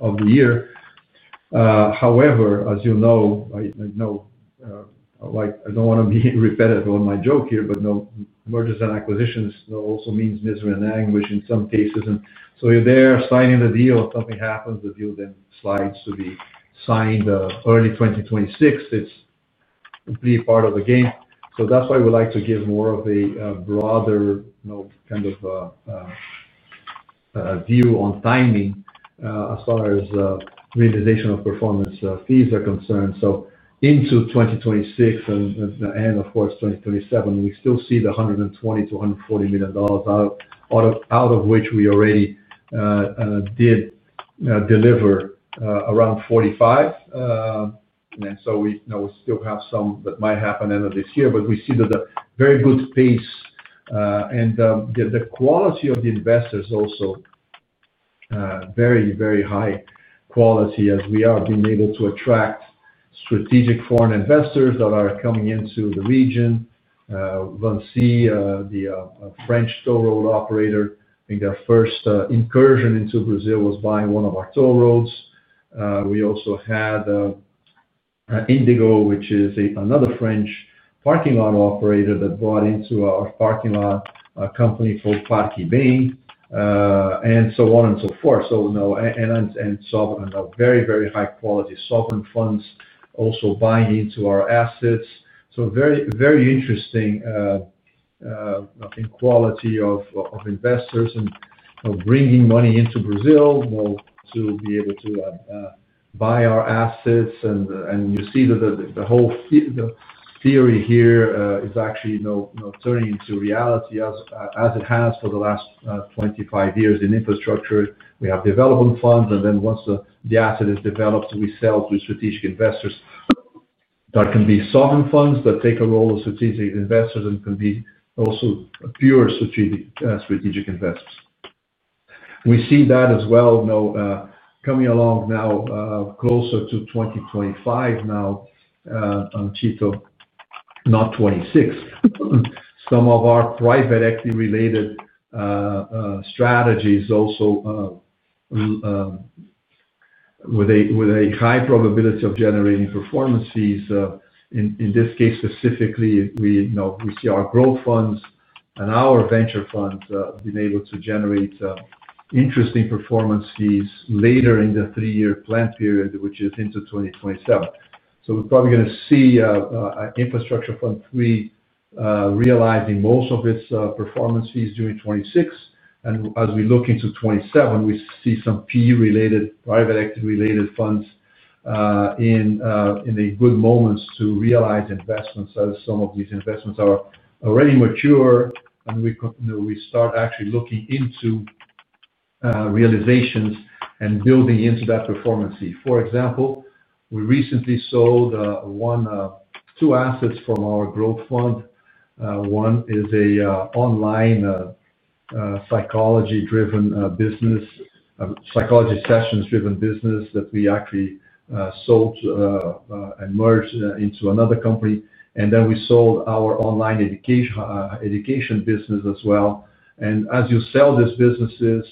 of the year. However, as you know, I don't want to be repetitive on my joke here, but mergers and acquisitions also mean misery and anguish in some cases. And so you're there signing the deal. If something happens, the deal then slides to be signed early 2026. It's completely part of the game. So that's why we like to give more of a broader kind of view on timing as far as realization of performance fees are concerned. So into 2026 and, of course, 2027, we still see the $120 million-$140 million, out of which we already did deliver around $45 million. And so we still have some that might happen end of this year, but we see that the very good pace. And the quality of the investors also very, very high quality as we are being able to attract strategic foreign investors that are coming into the region. VINCI, the French toll road operator, I think their first incursion into Brazil was buying one of our toll roads. We also had INDIGO, which is another French parking lot operator that bought into our parking lot company called Estapar. And so on and so forth. So and very, very high-quality sovereign funds also buying into our assets. So very interesting. Quality of investors and bringing money into Brazil to be able to buy our assets. And you see that the whole theory here is actually turning into reality as it has for the last 25 years in infrastructure. We have development funds, and then once the asset is developed, we sell to strategic investors. That can be sovereign funds that take a role of strategic investors and can be also pure strategic investors. We see that as well coming along now closer to 2025 now. Tito, not 2026. Some of our private equity-related strategies also with a high probability of generating performance fees. In this case, specifically, we see our growth funds and our venture funds being able to generate interesting performance fees later in the three-year plan period, which is into 2027. So we're probably going to see an Infrastructure Fund III realizing most of its performance fees during 2026. And as we look into 2027, we see some fee-related, private equity-related funds in the good moments to realize investments. Some of these investments are already mature, and we start actually looking into realizations and building into that performance fee. For example, we recently sold two assets from our growth fund. One is an online psychology-driven business, psychology sessions-driven business that we actually sold and merged into another company. And then we sold our online education business as well. And as you sell these businesses,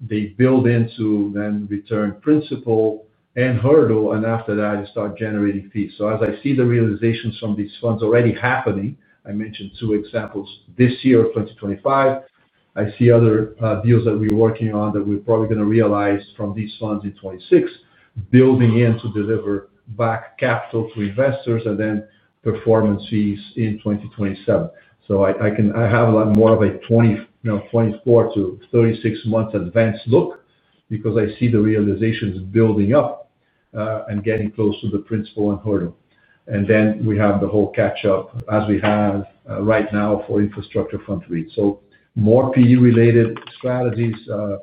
they build into then return principal and hurdle, and after that, they start generating fees. So as I see the realizations from these funds already happening, I mentioned two examples this year of 2025. I see other deals that we're working on that we're probably going to realize from these funds in 2026, building in to deliver back capital to investors and then performance fees in 2027. So I have a lot more of a 24- to 36-month advance look because I see the realizations building up and getting close to the principal and hurdle. And then we have the whole catch-up as we have right now for Infrastructure Fund III. So more PE-related strategies for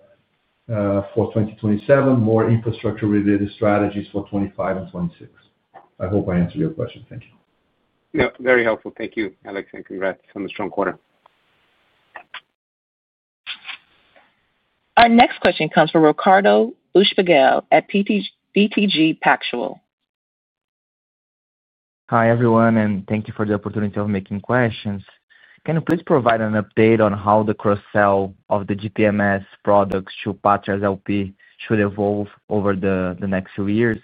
2027, more infrastructure-related strategies for 2025 and 2026. I hope I answered your question. Thank you. Yeah, very helpful. Thank you, Alex, and congrats on the strong quarter. Our next question comes from Ricardo Buchpiguel at BTG Pactual. Hi, everyone, and thank you for the opportunity of making questions. Can you please provide an update on how the cross-sell of the GPMS products to Patria LP should evolve over the next few years?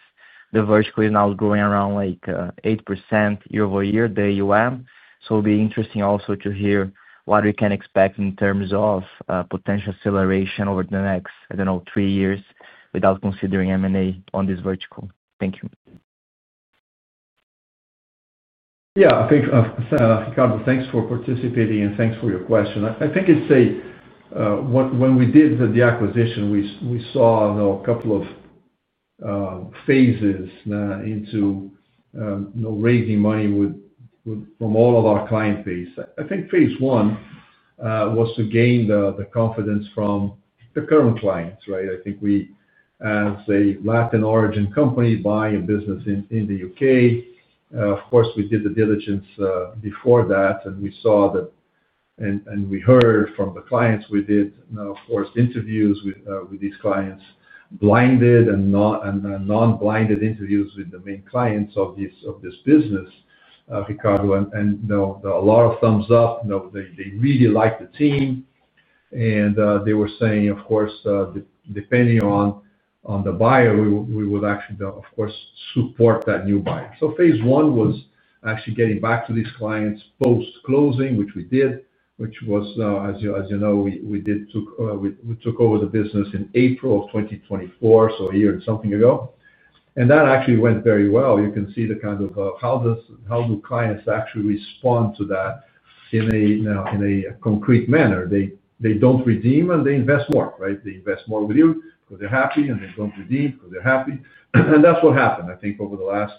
The vertical is now growing around 8% year-over-year, the AUM. So it'll be interesting also to hear what we can expect in terms of potential acceleration over the next, I don't know, three years without considering M&A on this vertical. Thank you. Yeah, Ricardo, thanks for participating and thanks for your question. I think it's a when we did the acquisition, we saw a couple of phases into raising money from all of our client base. I think phase one was to gain the confidence from the current clients, right? I think we, as a Latin origin company, buy a business in the UK. Of course, we did the diligence before that, and we saw that. And we heard from the clients. We did, of course, interviews with these clients, blinded and non-blinded interviews with the main clients of this business. Ricardo, and a lot of thumbs up. They really liked the team. And they were saying, of course, depending on the buyer, we would actually, of course, support that new buyer. So phase one was actually getting back to these clients post-closing, which we did, which was, as you know, we took over the business in April of 2024, so a year and something ago, and that actually went very well. You can see the kind of how new clients actually respond to that in a concrete manner. They don't redeem, and they invest more, right? They invest more with you because they're happy, and they don't redeem because they're happy. And that's what happened. I think over the last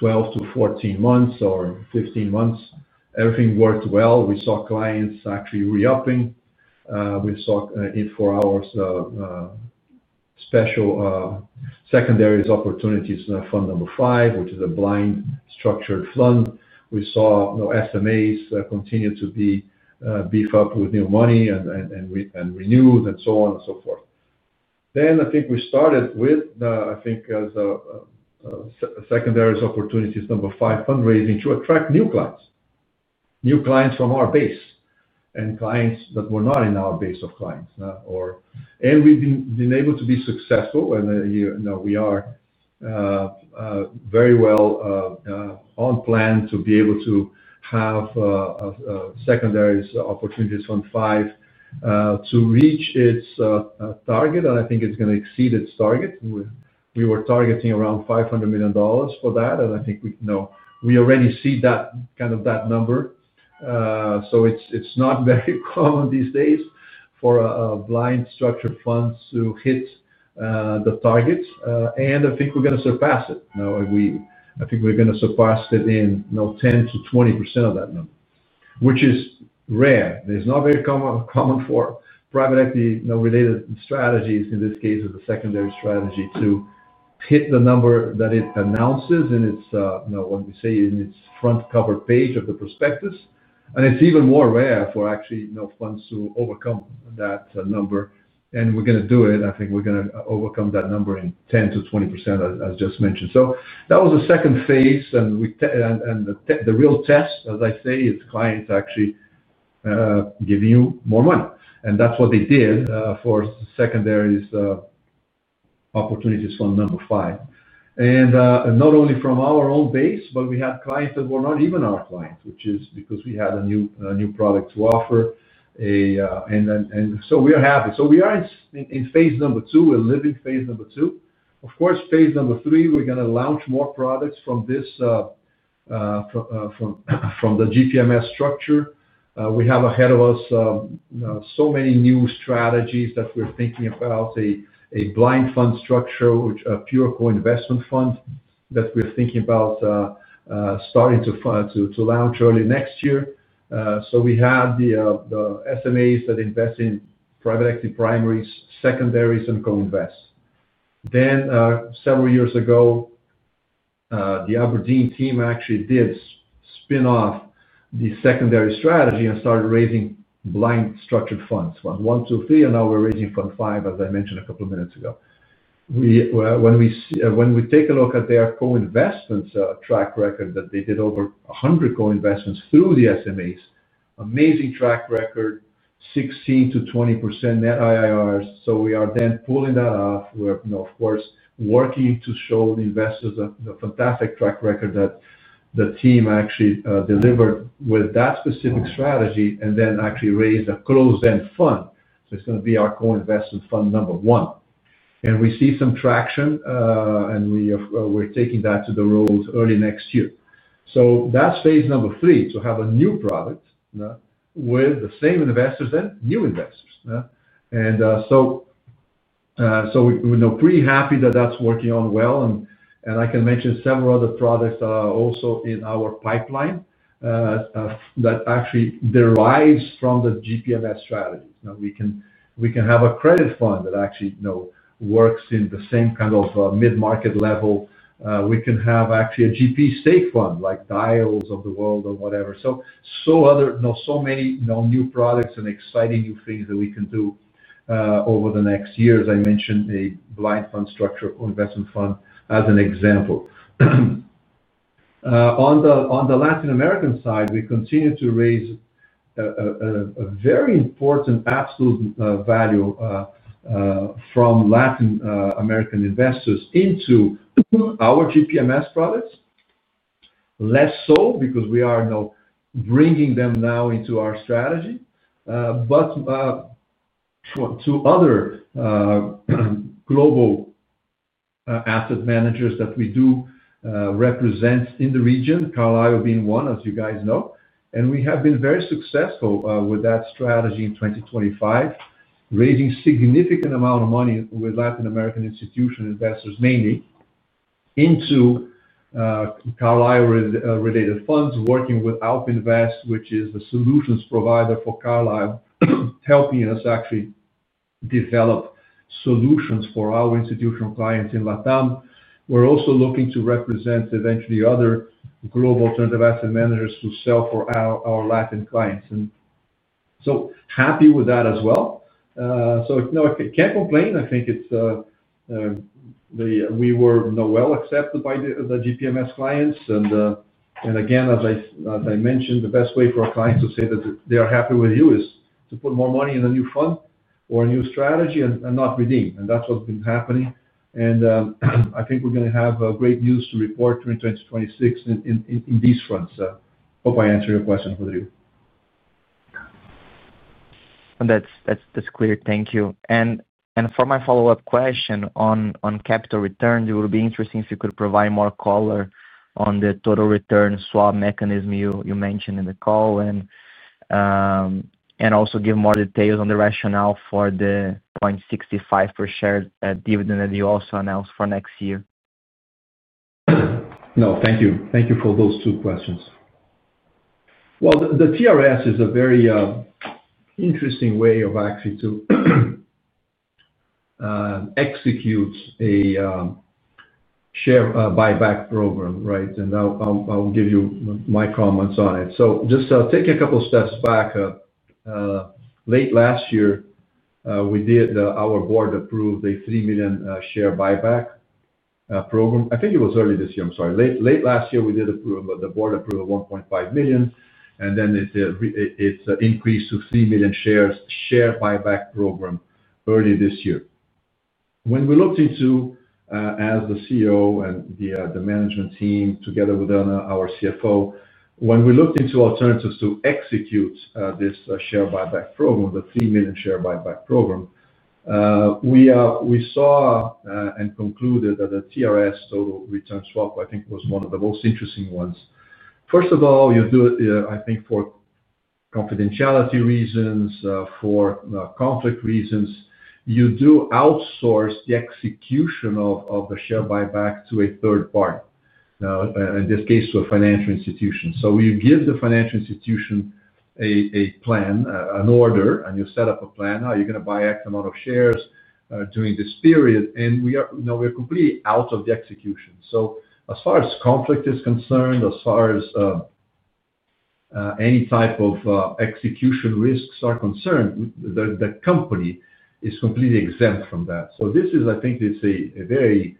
12-14 months or 15 months, everything worked well. We saw clients actually re-upping. We saw inflows Secondaries Opportunities Fund Number V, which is a blind pool fund. We saw SMAs continue to be beefed up with new money and renewed and so on and so forth. Then I think we started with Secondaries Opportunities Number V, fundraising to attract new clients. New clients from our base and clients that were not in our base of clients. And we've been able to be successful, and we are very well on plan to be able to have Secondaries Opportunities Fund V to reach its target, and I think it's going to exceed its target. We were targeting around $500 million for that, and I think we already see that kind of number. So it's not very common these days for a blind pool fund to hit the target, and I think we're going to surpass it. I think we're going to surpass it in 10%-20% of that number, which is rare. It's not very common for private equity-related strategies. In this case, it's a secondary strategy to hit the number that it announces in its front cover page of the prospectus. And it's even more rare for actually funds to overcome that number. And we're going to do it. I think we're going to overcome that number in 10%-20%, as just mentioned. So that was the second phase, and the real test, as I say, is clients actually giving you more money. And that's what they did for Secondaries Opportunities Fund Number V. And not only from our own base, but we have clients that were not even our clients, which is because we had a new product to offer. And so we are happy. So we are in phase number two. We're living phase number II. Of course, phase number III, we're going to launch more products from the GPMS structure we have ahead of us. So many new strategies that we're thinking about, a blind fund structure, a pure core investment fund that we're thinking about. Starting to launch early next year. So we have the SMAs that invest in private equity primaries, secondaries, and co-invests. Then, several years ago, the Aberdeen team actually did spin off the secondary strategy and started raising blind structured funds, I, II, III, and now we're raising Fund 5, as I mentioned a couple of minutes ago. When we take a look at their co-investments track record, that they did over 100 co-investments through the SMAs, amazing track record. 16%-20% net IIRs. So we are then pulling that off. We're, of course, working to show the investors the fantastic track record that the team actually delivered with that specific strategy and then actually raised a closed-end fund that's going to be our co-investment fund number one. And we see some traction. And we're taking that to the road early next year. So that's phase number III, to have a new product. With the same investors and new investors. And so. We're pretty happy that that's working out well. And I can mention several other products also in our pipeline. That actually derives from the GPMS strategy. We can have a credit fund that actually works in the same kind of mid-market level. We can have actually a GP stake fund like dials of the world or whatever. So many new products and exciting new things that we can do over the next years. I mentioned a blind fund structure investment fund as an example. On the Latin American side, we continue to raise a very important absolute value from Latin American investors into our GPMS products. Less so because we are now bringing them into our strategy. But to other global asset managers that we do represent in the region, Carlyle being one, as you guys know. And we have been very successful with that strategy in 2025, raising a significant amount of money with Latin American institution investors, mainly into Carlyle-related funds, working with Alpha Invest, which is the solutions provider for Carlyle, helping us actually develop solutions for our institutional clients in LatAm. We're also looking to represent eventually other global alternative asset managers to sell for our Latin clients. And so happy with that as well. So I can't complain. I think we were well accepted by the GPMS clients. And again, as I mentioned, the best way for our clients to say that they are happy with you is to put more money in a new fund or a new strategy and not redeem. And that's what's been happening. And I think we're going to have great news to report in 2026 in these funds. Hope I answered your question, Rodrigo. That's clear. Thank you. And for my follow-up question on capital return, it will be interesting if you could provide more color on the total return swap mechanism you mentioned in the call. And also give more details on the rationale for the 0.65% share dividend that you also announced for next year. No, thank you. Thank you for those two questions. Well, the TRS is a very interesting way of actually to execute a share buyback program, right? And I'll give you my comments on it. So just taking a couple of steps back. Late last year, we did our board approved a 3 million share buyback program. I think it was early this year. I'm sorry. Late last year, we did the board approval of 1.5 million. And then it's increased to 3 million shares share buyback program early this year. When we looked into as the CEO and the management team together with our CFO, when we looked into alternatives to execute this share buyback program, the 3 million share buyback program. We saw and concluded that the TRS total return swap, I think, was one of the most interesting ones. First of all, I think, for confidentiality reasons, for conflict reasons, you do outsource the execution of the share buyback to a third party. In this case, to a financial institution. So we give the financial institution a plan, an order, and you set up a plan. Are you going to buy X amount of shares during this period? And we are completely out of the execution. So as far as conflict is concerned, as far as any type of execution risks are concerned, the company is completely exempt from that. So this is, I think, it's a very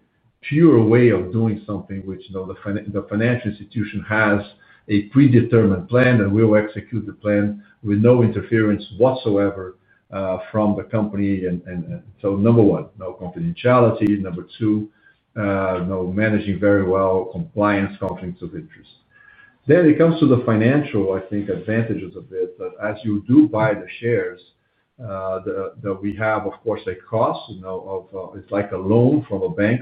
pure way of doing something which the financial institution has a predetermined plan, and we will execute the plan with no interference whatsoever from the company. And so number one, no confidentiality. Number two. Managing very well compliance conflicts of interest. Then it comes to the financial, I think, advantages of it. As you do buy the shares we have, of course, a cost. It's like a loan from a bank,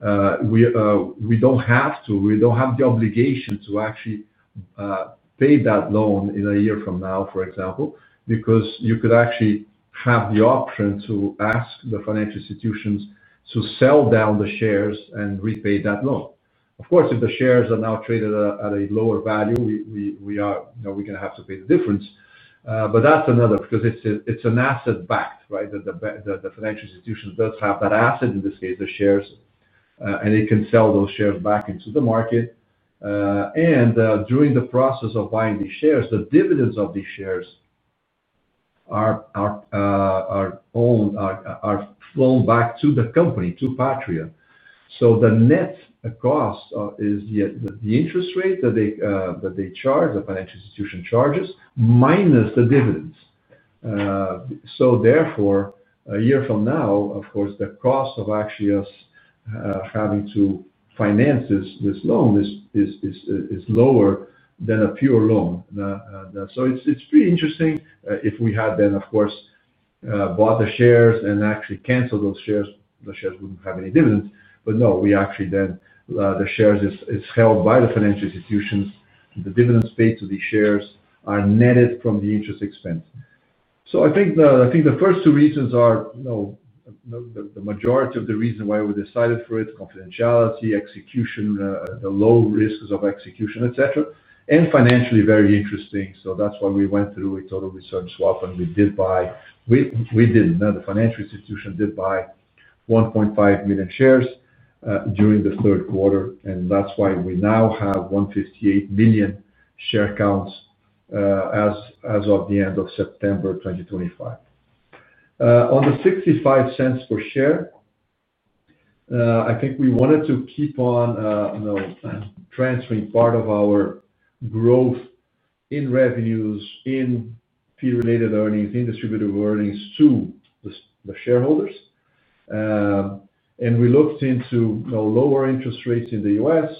but we don't have to, we don't have the obligation to actually pay that loan in a year from now, for example, because you could actually have the option to ask the financial institutions to sell down the shares and repay that loan. Of course, if the shares are now traded at a lower value, we are going to have to pay the difference. But that's another because it's an asset backed, right? The financial institution does have that asset, in this case, the shares. And they can sell those shares back into the market. And during the process of buying these shares, the dividends of these shares are owned, are flown back to the company, to Patria. So the net cost is the interest rate that they charge, the financial institution charges, minus the dividends. So therefore, a year from now, of course, the cost of actually having to finance this loan is lower than a pure loan. So it's pretty interesting if we had then, of course. Bought the shares and actually canceled those shares, the shares wouldn't have any dividends. But no, we actually then, the shares are held by the financial institutions. The dividends paid to the shares are netted from the interest expense. So I think the first two reasons are the majority of the reasons why we decided for it, confidentiality, execution, the low risks of execution, et cetera, and financially very interesting. So that's why we went through a total return swap, and we did buy. We didn't. The financial institution did buy 1.5 million shares during the third quarter. And that's why we now have 158 million share counts as of the end of September 2025. On the $0.65 per share. I think we wanted to keep on transferring part of our growth in revenues, in fee-related earnings, in distributable earnings to the shareholders. And we looked into lower interest rates in the US,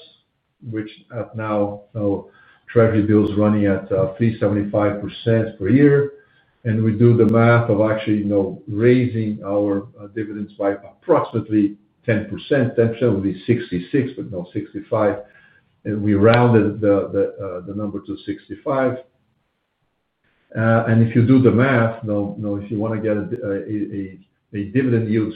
which now Treasury bills running at 3.75% per year. And we do the math of actually raising our dividends by approximately 10%. 10% would be $0.66, but no $0.65. And we rounded the number to $0.65. And if you do the math, if you want to get a dividend yield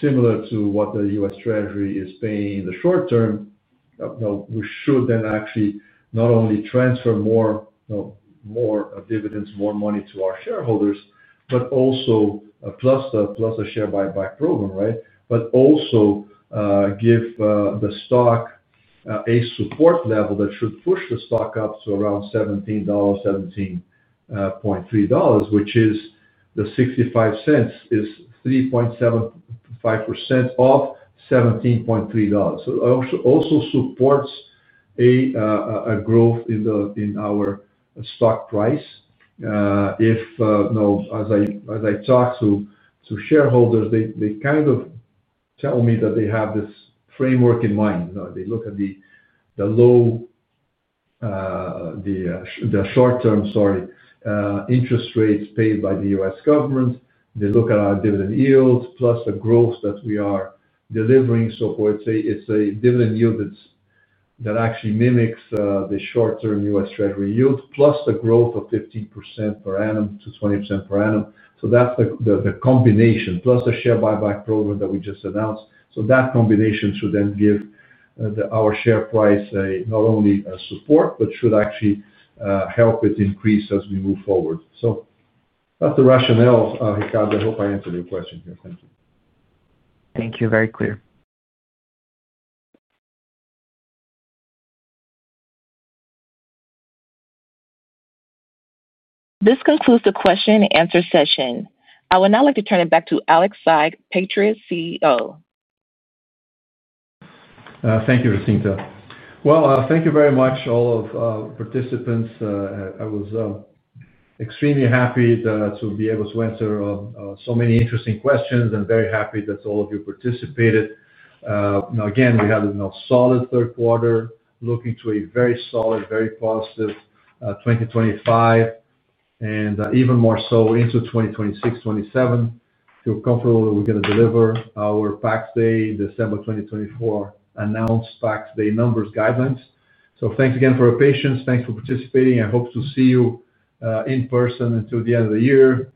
similar to what the U.S. Treasury is paying in the short term, we should then actually not only transfer more dividends, more money to our shareholders, but also plus a share buyback program, right? But also give the stock a support level that should push the stock up to around $17. $17.3, which is the $0.65 is 3.75% of $17.3. So it also supports a growth in our stock price. If as I talk to shareholders, they kind of tell me that they have this framework in mind. They look at the short-term, sorry, interest rates paid by the U.S. government. They look at our dividend yields plus the growth that we are delivering. So it's a dividend yield that actually mimics the short-term U.S. Treasury yield plus the growth of 15%-20% per annum. So that's the combination plus the share buyback program that we just announced. So that combination should then give our share price not only support, but should actually help it increase as we move forward. So that's the rationale, Ricardo. I hope I answered your question here. Thank you. Thank you. Very clear. This concludes the question-and-answer session. I would now like to turn it back to Alex Saigh, Patria CEO. Thank you, Jacinta. Well, thank you very much, all of the participants. I was extremely happy to be able to answer so many interesting questions and very happy that all of you participated. Now, again, we had a solid third quarter, looking to a very solid, very positive 2025. And even more so into 2026, 2027. Feel comfortable that we're going to deliver our tax day, December 2024, announced tax day numbers guidelines. So thanks again for your patience. Thanks for participating. I hope to see you in person until the end of the year,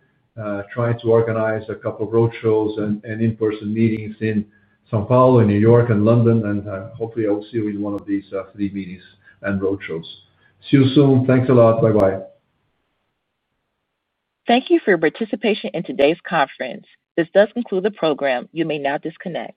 trying to organize a couple of roadshows and in-person meetings in São Paulo, New York, and London. And hopefully, I will see you in one of these three meetings and roadshows. See you soon. Thanks a lot. Bye-bye. Thank you for your participation in today's conference. This does conclude the program. You may now disconnect.